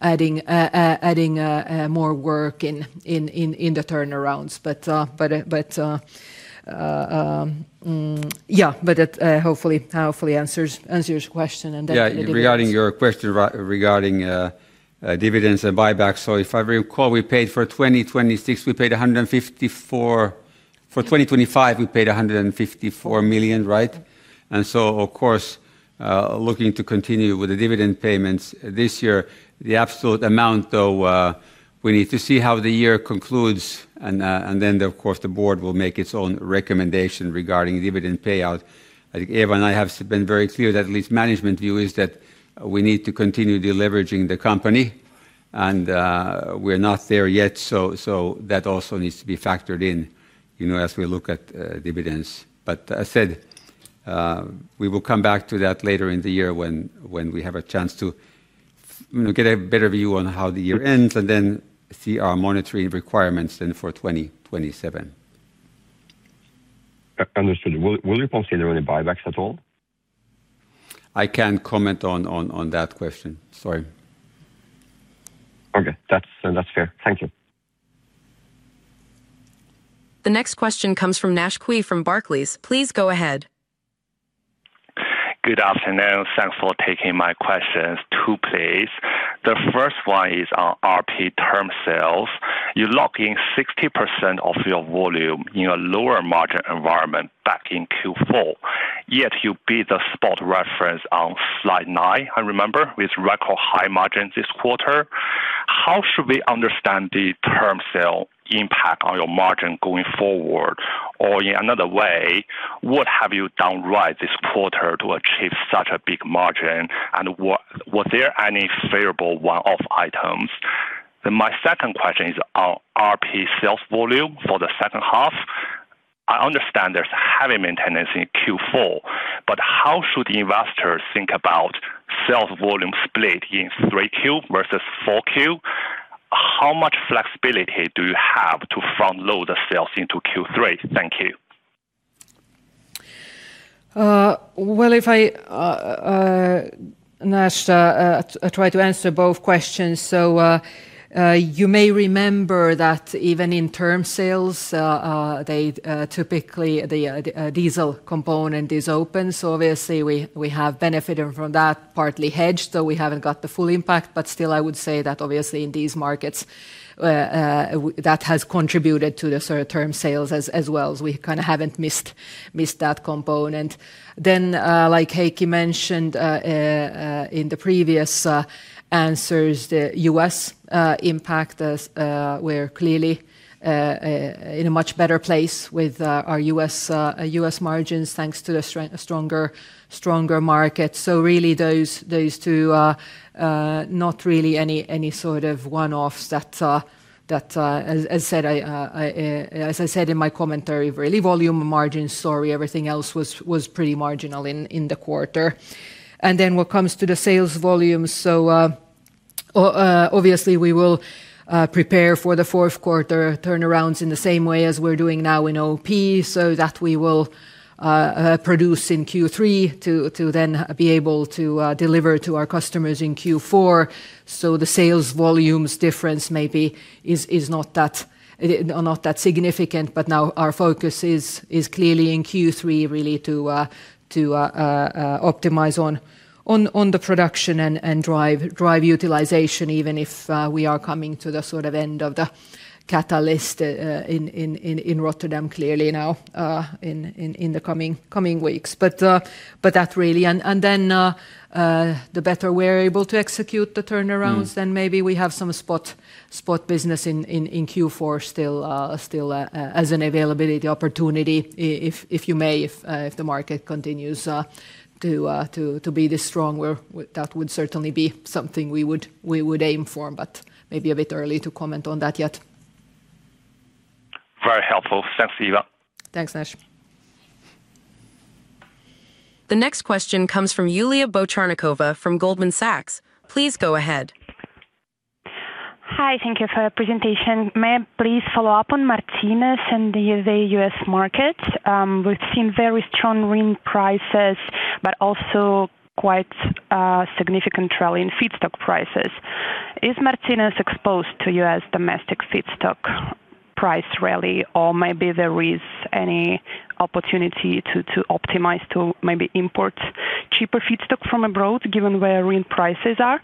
adding more work in the turnarounds. That hopefully answers your question. Regarding your question regarding dividends and buybacks. If I recall, for 2025, we paid 154 million, right? Of course, looking to continue with the dividend payments this year. The absolute amount, though, we need to see how the year concludes and then, of course, the board will make its own recommendation regarding dividend payout. I think Eeva and I have been very clear that at least management view is that we need to continue deleveraging the company, and we're not there yet, so that also needs to be factored in as we look at dividends. As said, we will come back to that later in the year when we have a chance to get a better view on how the year ends, and then see our monetary requirements then for 2027. Understood. Will you consider any buybacks at all? I can't comment on that question. Sorry. Okay. That's fair. Thank you. The next question comes from Naish Cui from Barclays. Please go ahead. Good afternoon. Thanks for taking my questions. Two, please. The first one is on RP term sales. You lock in 60% of your volume in a lower margin environment back in Q4, yet you beat the spot reference on slide nine, I remember, with record high margins this quarter. How should we understand the term sale impact on your margin going forward? Or in another way, what have you done right this quarter to achieve such a big margin, and was there any favorable one-off items? My second question is on RP sales volume for the second half. I understand there's heavy maintenance in Q4, but how should the investors think about sales volume split in 3Q versus 4Q? How much flexibility do you have to front-load the sales into Q3? Thank you. Well, Naish, I try to answer both questions. You may remember that even in term sales, typically, the diesel component is open. Obviously we have benefited from that, partly hedged, so we haven't got the full impact, but still, I would say that obviously in these markets, that has contributed to the term sales as well, as we kind of haven't missed that component. Then like Heikki mentioned in the previous answers, the U.S. impact, as we're clearly in a much better place with our U.S. margins thanks to the stronger market. Really, those two are not really any sort of one-offs. As I said in my commentary, really volume margin story, everything else was pretty marginal in the quarter. What comes to the sales volumes, obviously we will prepare for the fourth quarter turnarounds in the same way as we're doing now in OP. That we will produce in Q3 to then be able to deliver to our customers in Q4. The sales volumes difference maybe is not that significant. Now our focus is clearly in Q3 really to optimize on the production and drive utilization, even if we are coming to the sort of end of the catalyst in Rotterdam clearly now in the coming weeks. The better we're able to execute the turnarounds maybe we have some spot business in Q4 still as an availability opportunity, if you may. If the market continues to be this strong, that would certainly be something we would aim for, maybe a bit early to comment on that yet. Very helpful. Thanks, Eeva. Thanks, Naish. The next question comes from Yulia Bocharnikova from Goldman Sachs. Please go ahead. Hi. Thank you for the presentation. May I please follow up on Martinez and the U.S. market? We've seen very strong RIN prices, but also quite a significant rally in feedstock prices. Is Martinez exposed to U.S. domestic feedstock price rally, or maybe there is any opportunity to optimize to maybe import cheaper feedstock from abroad, given where RIN prices are?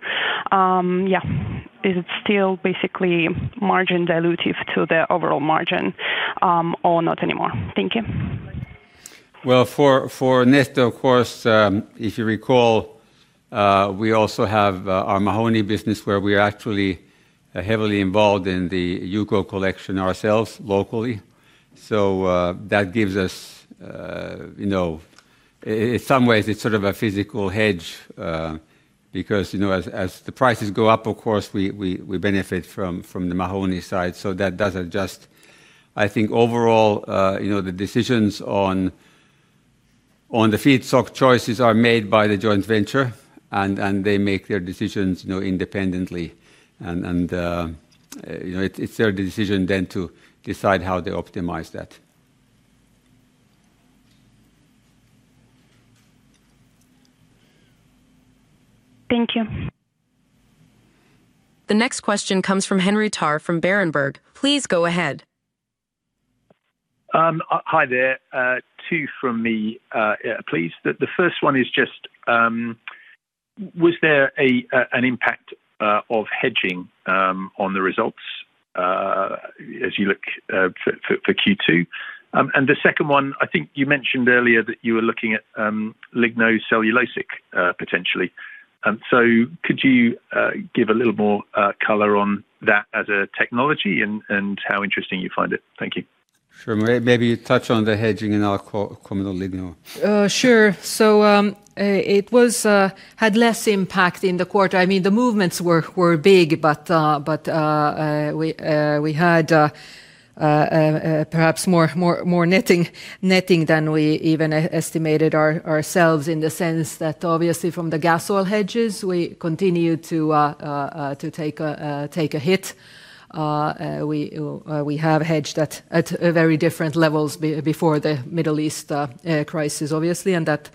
Yeah. Is it still basically margin dilutive to the overall margin, or not anymore? Thank you. Well, for Neste, of course, if you recall, we also have our Mahoney business where we are actually heavily involved in the UCO collection ourselves locally. That gives us, in some ways it's sort of a physical hedge, because as the prices go up, of course, we benefit from the Mahoney side. I think overall, the decisions on the feedstock choices are made by the joint venture, and they make their decisions independently. It's their decision then to decide how they optimize that. Thank you. The next question comes from Henry Tarr from Berenberg. Please go ahead. Hi there. Two from me, please. The first one is just, was there an impact of hedging on the results as you look for Q2? The second one, I think you mentioned earlier that you were looking at lignocellulosic potentially. Could you give a little more color on that as a technology and how interesting you find it? Thank you. Sure. Maybe touch on the hedging and I'll come on the ligno. Sure. It had less impact in the quarter. The movements were big, but we had perhaps more netting than we even estimated ourselves in the sense that obviously from the gas oil hedges, we continue to take a hit. We have hedged that at very different levels before the Middle East crisis, obviously, and that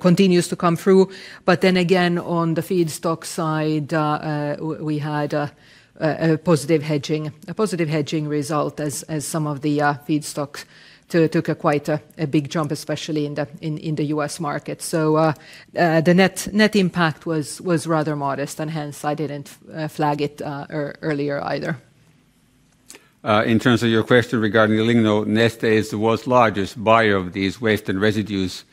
continues to come through. But then again, on the feedstock side, we had a positive hedging result as some of the feedstock took quite a big jump, especially in the U.S. market. The net impact was rather modest, and hence I didn't flag it earlier either. In terms of your question regarding the ligno, Neste is the world's largest buyer of these waste and residues.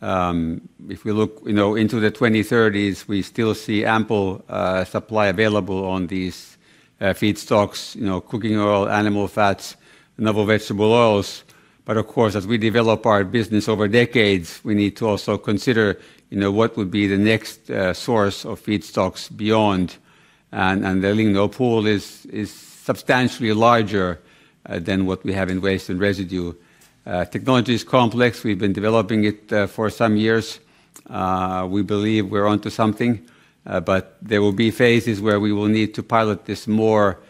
If we look into the 2030s, we still see ample supply available on these feedstocks, cooking oil, animal fats, and other vegetable oils. But of course, as we develop our business over decades, we need to also consider what would be the next source of feedstocks beyond, and the ligno pool is substantially larger than what we have in waste and residue. Technology is complex. We've been developing it for some years. We believe we're onto something. But there will be phases where we will need to pilot this more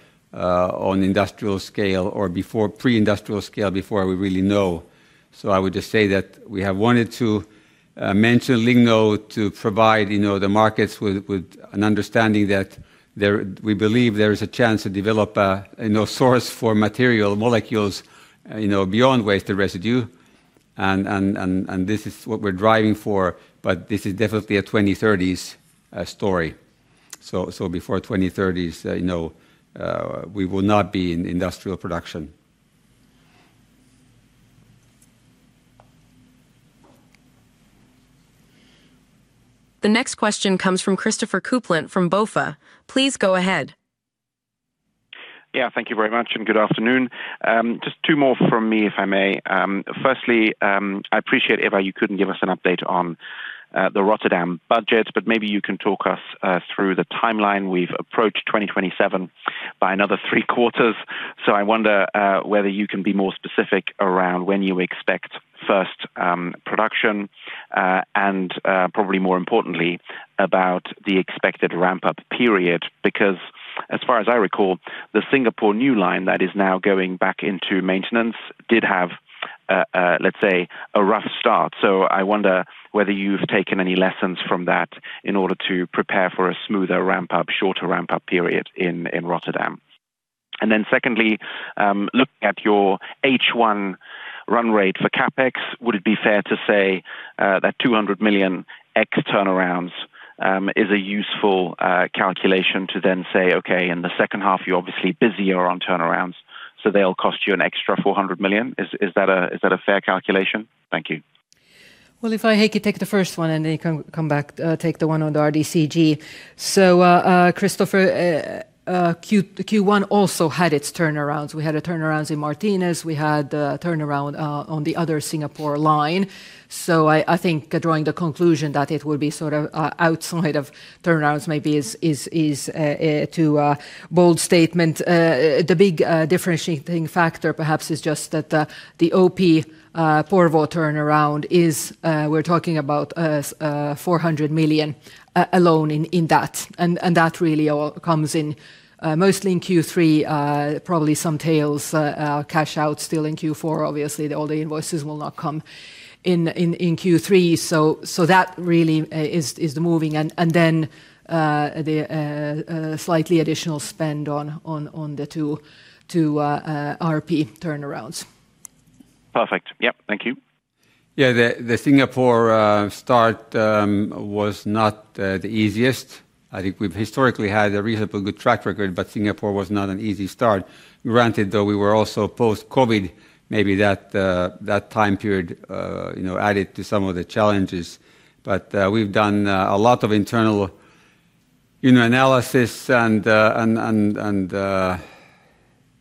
on industrial scale or pre-industrial scale before we really know. I would just say that we have wanted to mention ligno to provide the markets with an understanding that we believe there is a chance to develop a source for material molecules beyond waste and residue. And this is what we're driving for, but this is definitely a 2030s story. Before 2030s, we will not be in industrial production. The next question comes from Christopher Kuplent from BofA. Please go ahead. Thank you very much, and good afternoon. Just two more from me, if I may. Firstly, I appreciate, Eeva, you couldn't give us an update on the Rotterdam budget, but maybe you can talk us through the timeline. We've approached 2027 by another three quarters. I wonder whether you can be more specific around when you expect first production, and probably more importantly, about the expected ramp-up period. Because as far as I recall, the Singapore new line that is now going back into maintenance did have, let's say, a rough start. I wonder whether you've taken any lessons from that in order to prepare for a smoother ramp-up, shorter ramp-up period in Rotterdam. Secondly, looking at your H1 run rate for CapEx, would it be fair to say that 200 million ex turnarounds is a useful calculation to say, okay, in the second half, you're obviously busier on turnarounds, they'll cost you an extra 400 million. Is that a fair calculation? Thank you. Well, if I, Heikki, take the first one, then you come back, take the one on the RDCG. Christopher, Q1 also had its turnarounds. We had turnarounds in Martinez. We had a turnaround on the other Singapore line. I think drawing the conclusion that it will be sort of outside of turnarounds maybe is too bold statement. The big differentiating factor perhaps is just that the OP Porvoo turnaround is, we're talking about 400 million alone in that really all comes in mostly in Q3. Probably some tails cash out still in Q4. Obviously, all the invoices will not come in Q3. That really is moving. Then the slightly additional spend on the two RP turnarounds. Perfect. Yep. Thank you. Yeah. The Singapore start was not the easiest. I think we've historically had a reasonably good track record, Singapore was not an easy start. Granted, though, we were also post-COVID, maybe that time period added to some of the challenges. We've done a lot of internal analysis and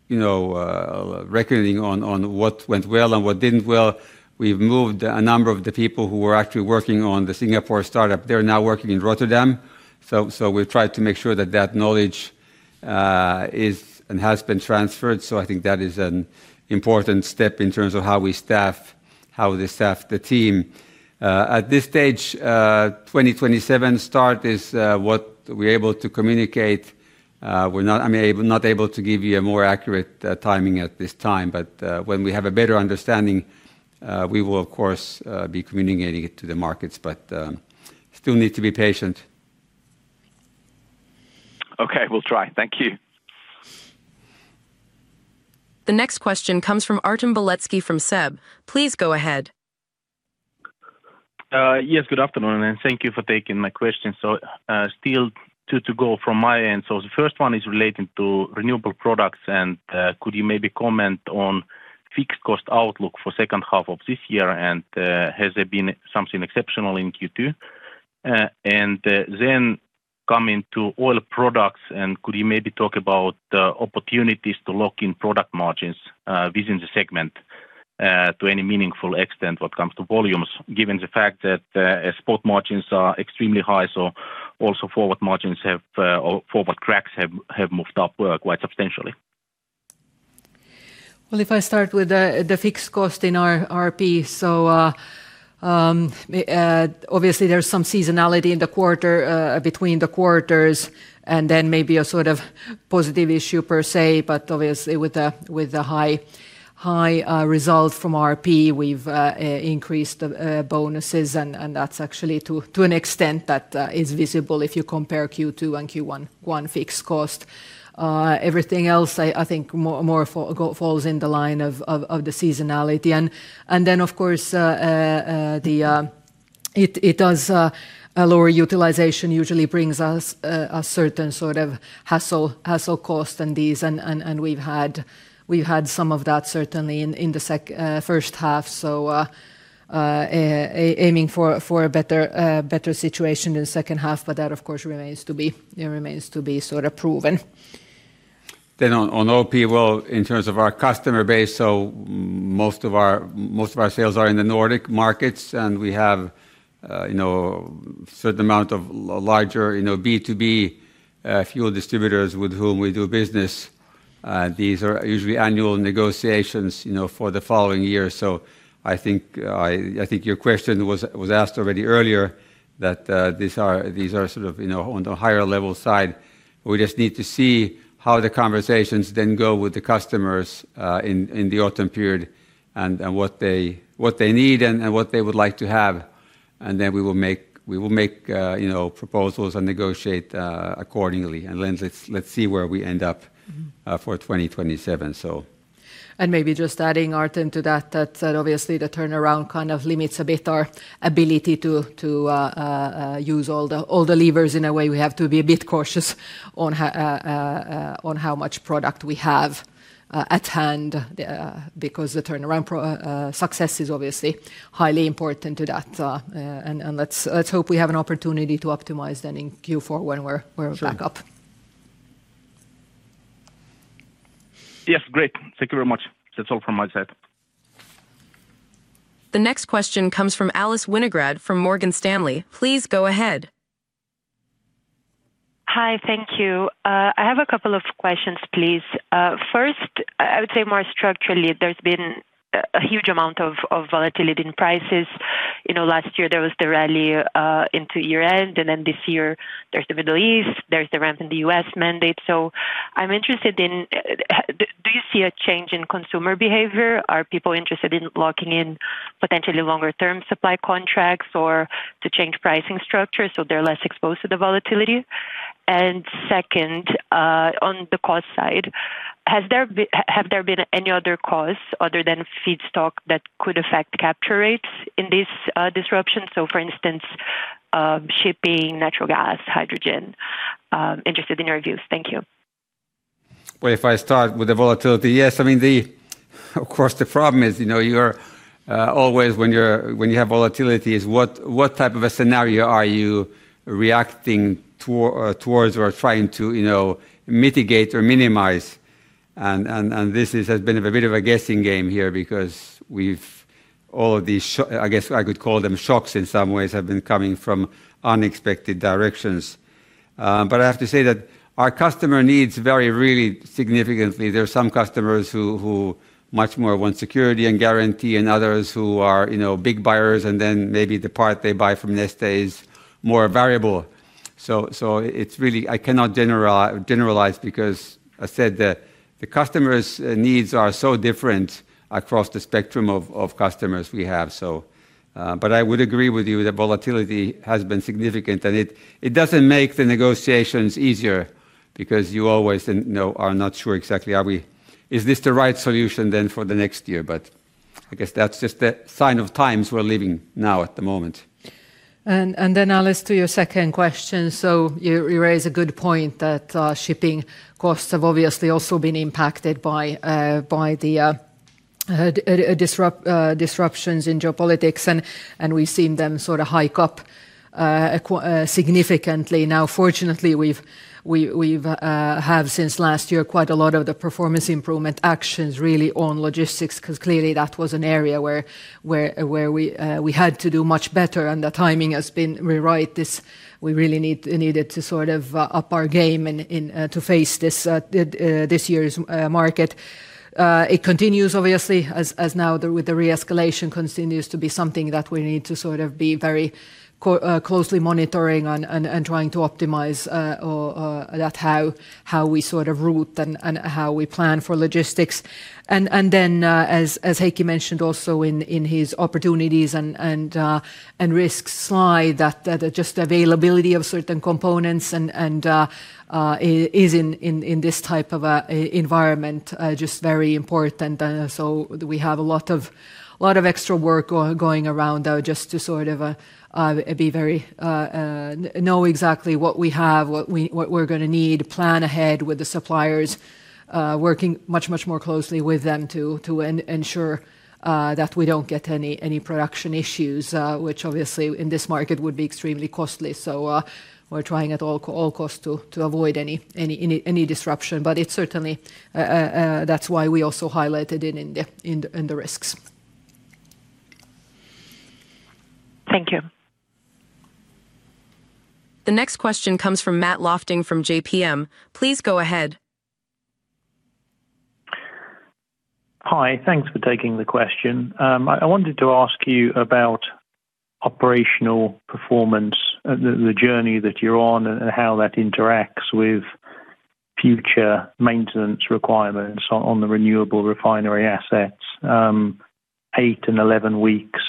reckoning on what went well and what didn't well. We've moved a number of the people who were actually working on the Singapore startup. They're now working in Rotterdam. We've tried to make sure that that knowledge is and has been transferred. I think that is an important step in terms of how we staff the team. At this stage, 2027 start is what we're able to communicate. I'm not able to give you a more accurate timing at this time. When we have a better understanding, we will of course, be communicating it to the markets, but still need to be patient. Okay. We'll try. Thank you. The next question comes from Artem Beletski from SEB. Please go ahead. Yes, good afternoon, and thank you for taking my question. Still two to go from my end. The first one is relating to Renewable Products, could you maybe comment on fixed cost outlook for second half of this year? Has there been something exceptional in Q2? Then coming to Oil Products, could you maybe talk about opportunities to lock in product margins within the segment to any meaningful extent when it comes to volumes, given the fact that spot margins are extremely high, so also forward cracks have moved up quite substantially. If I start with the fixed cost in RP. Obviously there's some seasonality between the quarters and then maybe a sort of positive issue per se. Obviously with the high result from RP, we've increased the bonuses, and that's actually to an extent that is visible if you compare Q2 and Q1 fixed cost. Everything else, I think, more falls in the line of the seasonality. Of course, a lower utilization usually brings us a certain sort of hassle cost than these, and we've had some of that certainly in the first half. Aiming for a better situation in the second half, but that, of course, remains to be sort of proven. Then in OP, well, in terms of our customer base, most of our sales are in the Nordic markets, and we have a certain amount of larger B2B fuel distributors with whom we do business. These are usually annual negotiations for the following year. I think your question was asked already earlier that these are sort of on the higher level side. We just need to see how the conversations then go with the customers in the autumn period and what they need and what they would like to have. We will make proposals and negotiate accordingly. Let's see where we end up for 2027. Maybe just adding, Artem, to that, obviously the turnaround kind of limits a bit our ability to use all the levers. In a way, we have to be a bit cautious on how much product we have at hand because the turnaround success is obviously highly important to that. Let's hope we have an opportunity to optimize then in Q4 when we're back up. Sure. Yes. Great. Thank you very much. That's all from my side. The next question comes from Alice Winograd from Morgan Stanley. Please go ahead. Hi. Thank you. I have a couple of questions, please. First, I would say more structurally, there's been a huge amount of volatility in prices. Last year there was the rally into year-end, this year there's the Middle East, there's the ramp in the U.S. mandate. I'm interested in, do you see a change in consumer behavior? Are people interested in locking in potentially longer-term supply contracts or to change pricing structure so they're less exposed to the volatility? Second, on the cost side, have there been any other costs other than feedstock that could affect capture rates in this disruption? For instance, shipping, natural gas, hydrogen. Interested in your views. Thank you. Well, if I start with the volatility, yes, of course the problem is, always when you have volatility is what type of a scenario are you reacting towards or trying to mitigate or minimize. This has been a bit of a guessing game here because all of these, I guess I could call them shocks in some ways, have been coming from unexpected directions. I have to say that our customer needs vary really significantly. There are some customers who much more want security and guarantee, others who are big buyers and then maybe the part they buy from Neste is more variable. I cannot generalize because I said the customers' needs are so different across the spectrum of customers we have, so I would agree with you that volatility has been significant, it doesn't make the negotiations easier because you always are not sure exactly, is this the right solution then for the next year? I guess that's just the sign of times we're living now at the moment. Alice, to your second question, you raise a good point that shipping costs have obviously also been impacted by the disruptions in geopolitics and we've seen them hike up significantly. Fortunately, we have since last year, quite a lot of the performance improvement actions really on logistics because clearly that was an area where we had to do much better and the timing has been right. We really needed to up our game to face this year's market. It continues obviously as now with the re-escalation to be something that we need to be very closely monitoring and trying to optimize that how we route and how we plan for logistics. As Heikki mentioned also in his opportunities and risks slide, that just availability of certain components and is in this type of environment just very important. We have a lot of extra work going around though, just to know exactly what we have, what we're going to need, plan ahead with the suppliers, working much, much more closely with them to ensure that we don't get any production issues, which obviously in this market would be extremely costly. We're trying at all costs to avoid any disruption. That's why we also highlighted it in the risks. Thank you. The next question comes from Matt Lofting from JPM. Please go ahead. Hi. Thanks for taking the question. I wanted to ask you about operational performance, the journey that you're on, and how that interacts with future maintenance requirements on the renewable refinery assets. Eight and 11 weeks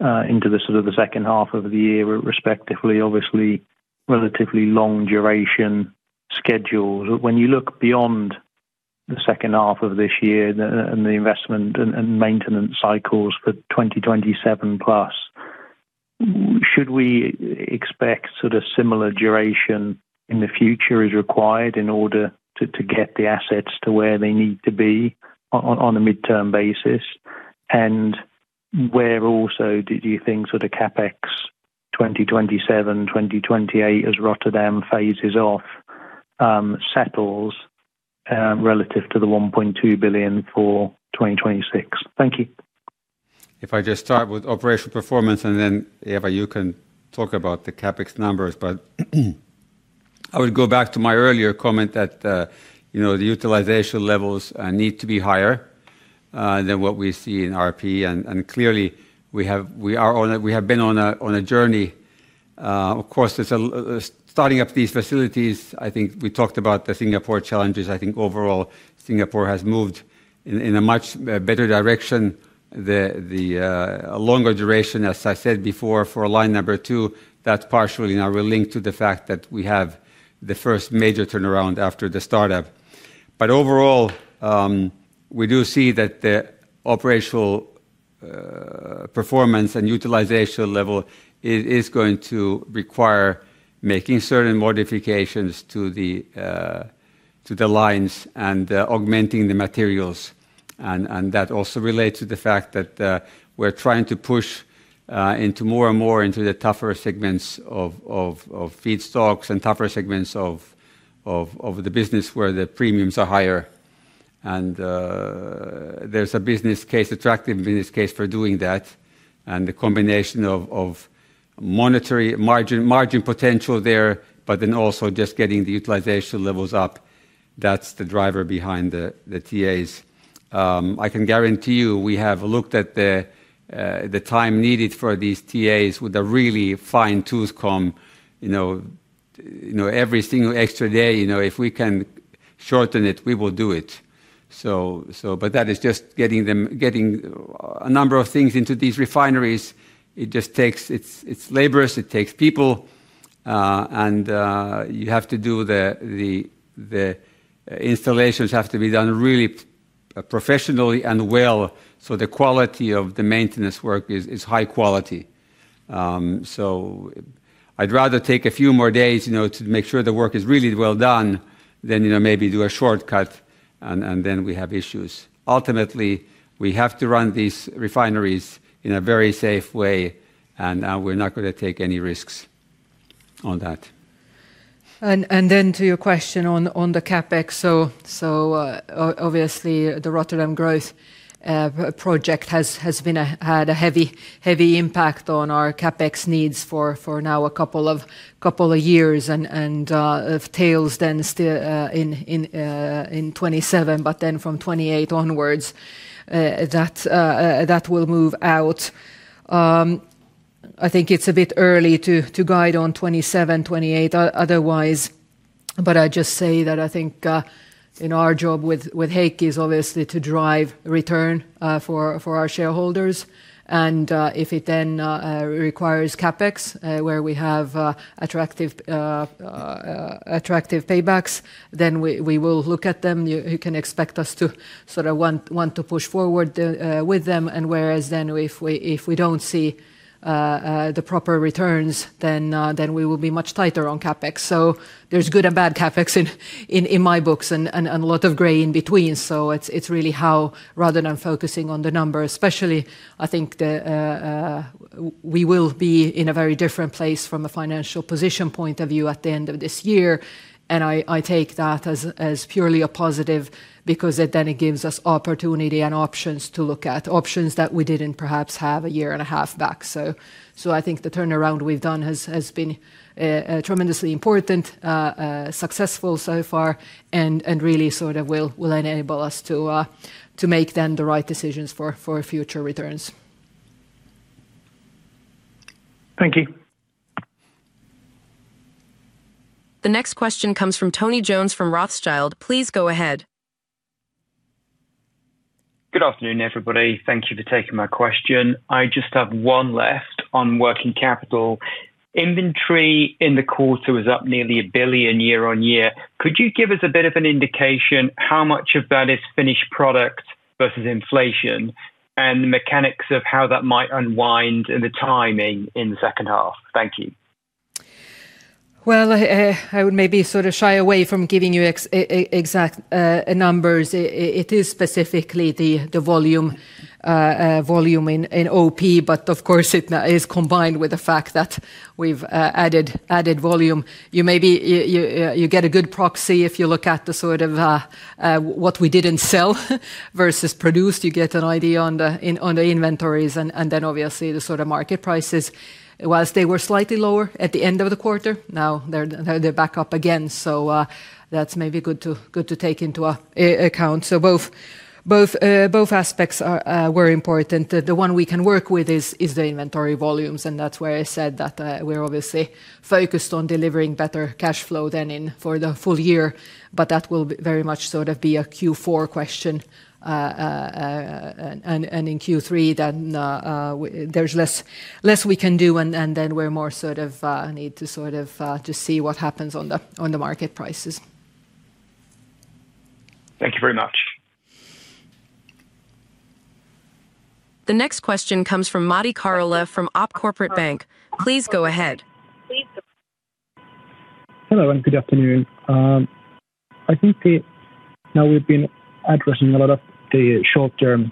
into the second half of the year respectively, obviously relatively long duration schedules. When you look beyond the second half of this year and the investment and maintenance cycles for 2027+, should we expect similar duration in the future is required in order to get the assets to where they need to be on a midterm basis? Where also do you think CapEx 2027-2028 as Rotterdam phases off settles relative to the 1.2 billion for 2026? Thank you. If I just start with operational performance and then Eeva, you can talk about the CapEx numbers. I would go back to my earlier comment that the utilization levels need to be higher than what we see in RP. Clearly we have been on a journey. Of course, starting up these facilities, I think we talked about the Singapore challenges. I think overall Singapore has moved in a much better direction. The longer duration, as I said before, for line number two, that partially now we're linked to the fact that we have the first major turnaround after the startup. Overall, we do see that the operational performance and utilization level is going to require making certain modifications to the lines and augmenting the materials, and that also relates to the fact that we're trying to push more and more into the tougher segments of feedstocks and tougher segments of the business where the premiums are higher. There's an attractive business case for doing that and the combination of monetary margin potential there, but then also just getting the utilization levels up. That's the driver behind the TAs. I can guarantee you, we have looked at the time needed for these TAs with a really fine-tooth comb. Every single extra day, if we can shorten it, we will do it. That is just getting a number of things into these refineries. It's laborious, it takes people, and the installations have to be done really professionally and well. The quality of the maintenance work is high quality. I'd rather take a few more days to make sure the work is really well done than maybe do a shortcut and then we have issues. Ultimately, we have to run these refineries in a very safe way, and we're not going to take any risks on that. To your question on the CapEx. Obviously the Rotterdam growth project has had a heavy impact on our CapEx needs for now a couple of years and tails then still in 2027, but then from 2028 onwards, that will move out. I think it is a bit early to guide on 2027-2028 otherwise. I would just say that I think our job with Heikki is obviously to drive return for our shareholders. If it then requires CapEx, where we have attractive paybacks, we will look at them. You can expect us to want to push forward with them, whereas if we do not see the proper returns, we will be much tighter on CapEx. There is good and bad CapEx in my books and a lot of gray in between. It is really how rather than focusing on the numbers, especially, I think we will be in a very different place from a financial position point of view at the end of this year. I take that as purely a positive because it gives us opportunity and options to look at. Options that we did not perhaps have a year and a half back. I think the turnaround we have done has been tremendously important, successful so far and really will enable us to make the right decisions for future returns. Thank you. The next question comes from Tony Jones from Rothschild. Please go ahead. Good afternoon, everybody. Thank you for taking my question. I just have one left on working capital. Inventory in the quarter is up nearly 1 billion year-on-year. Could you give us a bit of an indication how much of that is finished product versus inflation and the mechanics of how that might unwind and the timing in the second half? Thank you. Well, I would maybe shy away from giving you exact numbers. It is specifically the volume in OP, but of course it now is combined with the fact that we've added volume. You get a good proxy if you look at what we didn't sell versus produced. You get an idea on the inventories and then obviously the market prices. Whilst they were slightly lower at the end of the quarter, now they're back up again. That's maybe good to take into account. Both aspects were important. The one we can work with is the inventory volumes, and that's where I said that we're obviously focused on delivering better cash flow than in for the full year. That will very much be a Q4 question. In Q3, then there's less we can do, and then we're more need to see what happens on the market prices. Thank you very much. The next question comes from Matti Kärkkäinen from OP Corporate Bank. Please go ahead. Hello, and good afternoon. I think now we've been addressing a lot of the short-term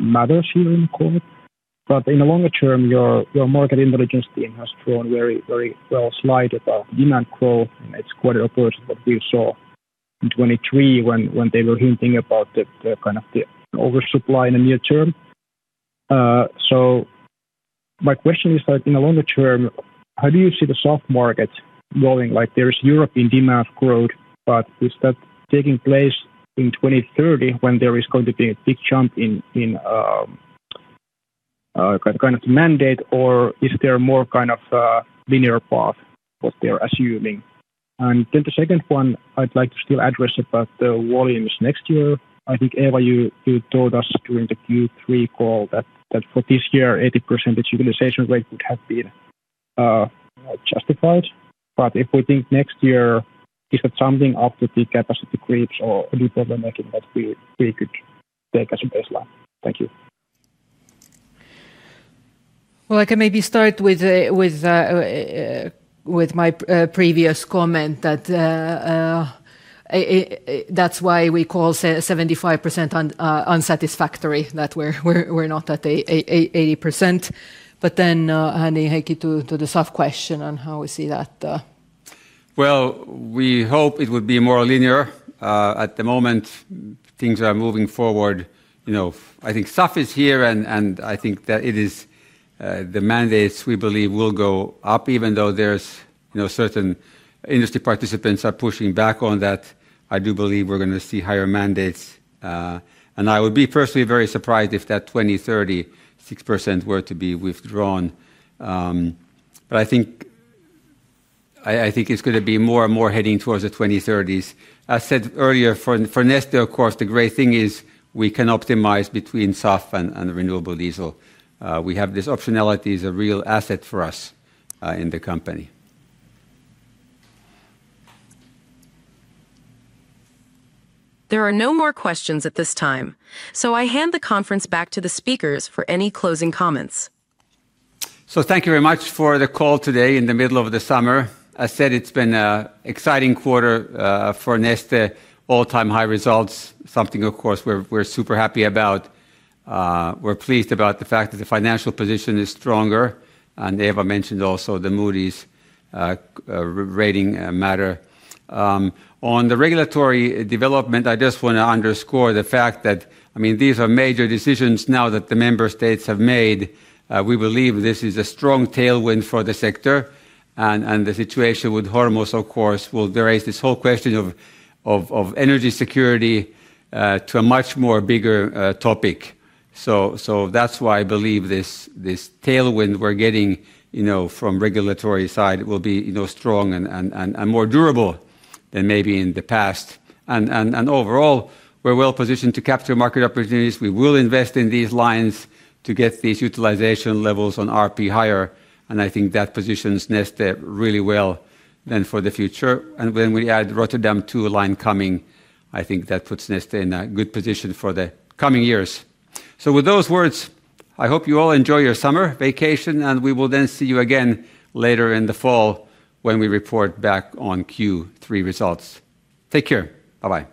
matters here in the call. In the longer term, your market intelligence team has thrown very well slide about demand growth, and it's quite opposite that we saw in 2023 when they were hinting about the oversupply in the near term. My question is that in the longer term, how do you see the SAF market growing? There is European demand growth, but is that taking place in 2030 when there is going to be a big jump in mandate or is there more linear path that they're assuming? The second one, I'd like to still address about the volumes next year. I think Eeva, you told us during the Q3 call that for this year, 80% utilization rate would have been justified. If we think next year, is that something after the capacity creeps or [will the market move take us to 80%]? Thank you. Well maybe I can start with my previous comment that, that's why we call 75% unsatisfactory, that we're not 80%. But then I need Heikki to the SAF question on how we see that. Well, we hope it would be more linear. At the moment, things are moving forward. You know, I think SAF is here and I think that it is, the mandates we believe will go up even though there's certain participants are pushing back on that. I do believe we will see higher mandates. I will be personally very surprised if that 2030 percent were to be withdrawn. But I think its gonna be more and more heading to the 2030s. As I said earlier, for Neste, of course, the great thing is we can optimize between SAF and renewable diesel. We have this optionality, thats a real asset to us in the company. There are no more questions at this time. So I hand the conference back to the speakers for any closing comments. So, thank you very much for the call today in the middle of the summer. I said its been an exciting quarter for Neste, all time high results. Something that were, of course, super happy about. We're pleased about the fact that the financial position is stronger. Eeva mentioned also that the Moody's rating matter. On the regulatory development, this underscore the fact, I mean, these are major decisions now that the member states have made. We believe this is a strong tailwind for the sector. The situation will also, of course, raise this whole question of energy security to a much more bigger topic. So that's why we believe this tailwind we're getting from regulatory side will be strong and more durable. Overall, we're well positioned to capture market opportunities. We will invest in these lines to get utilization levels on RP higher. I think that positions Neste really well for the future, and when we add Rotterdam to the line coming I think that puts Neste in a good position in the coming years. So, with those words, I hope you all enjoy your summer vacation and we will then see you again in the Fall when we report in the Q3 results. Take care. Bye-bye.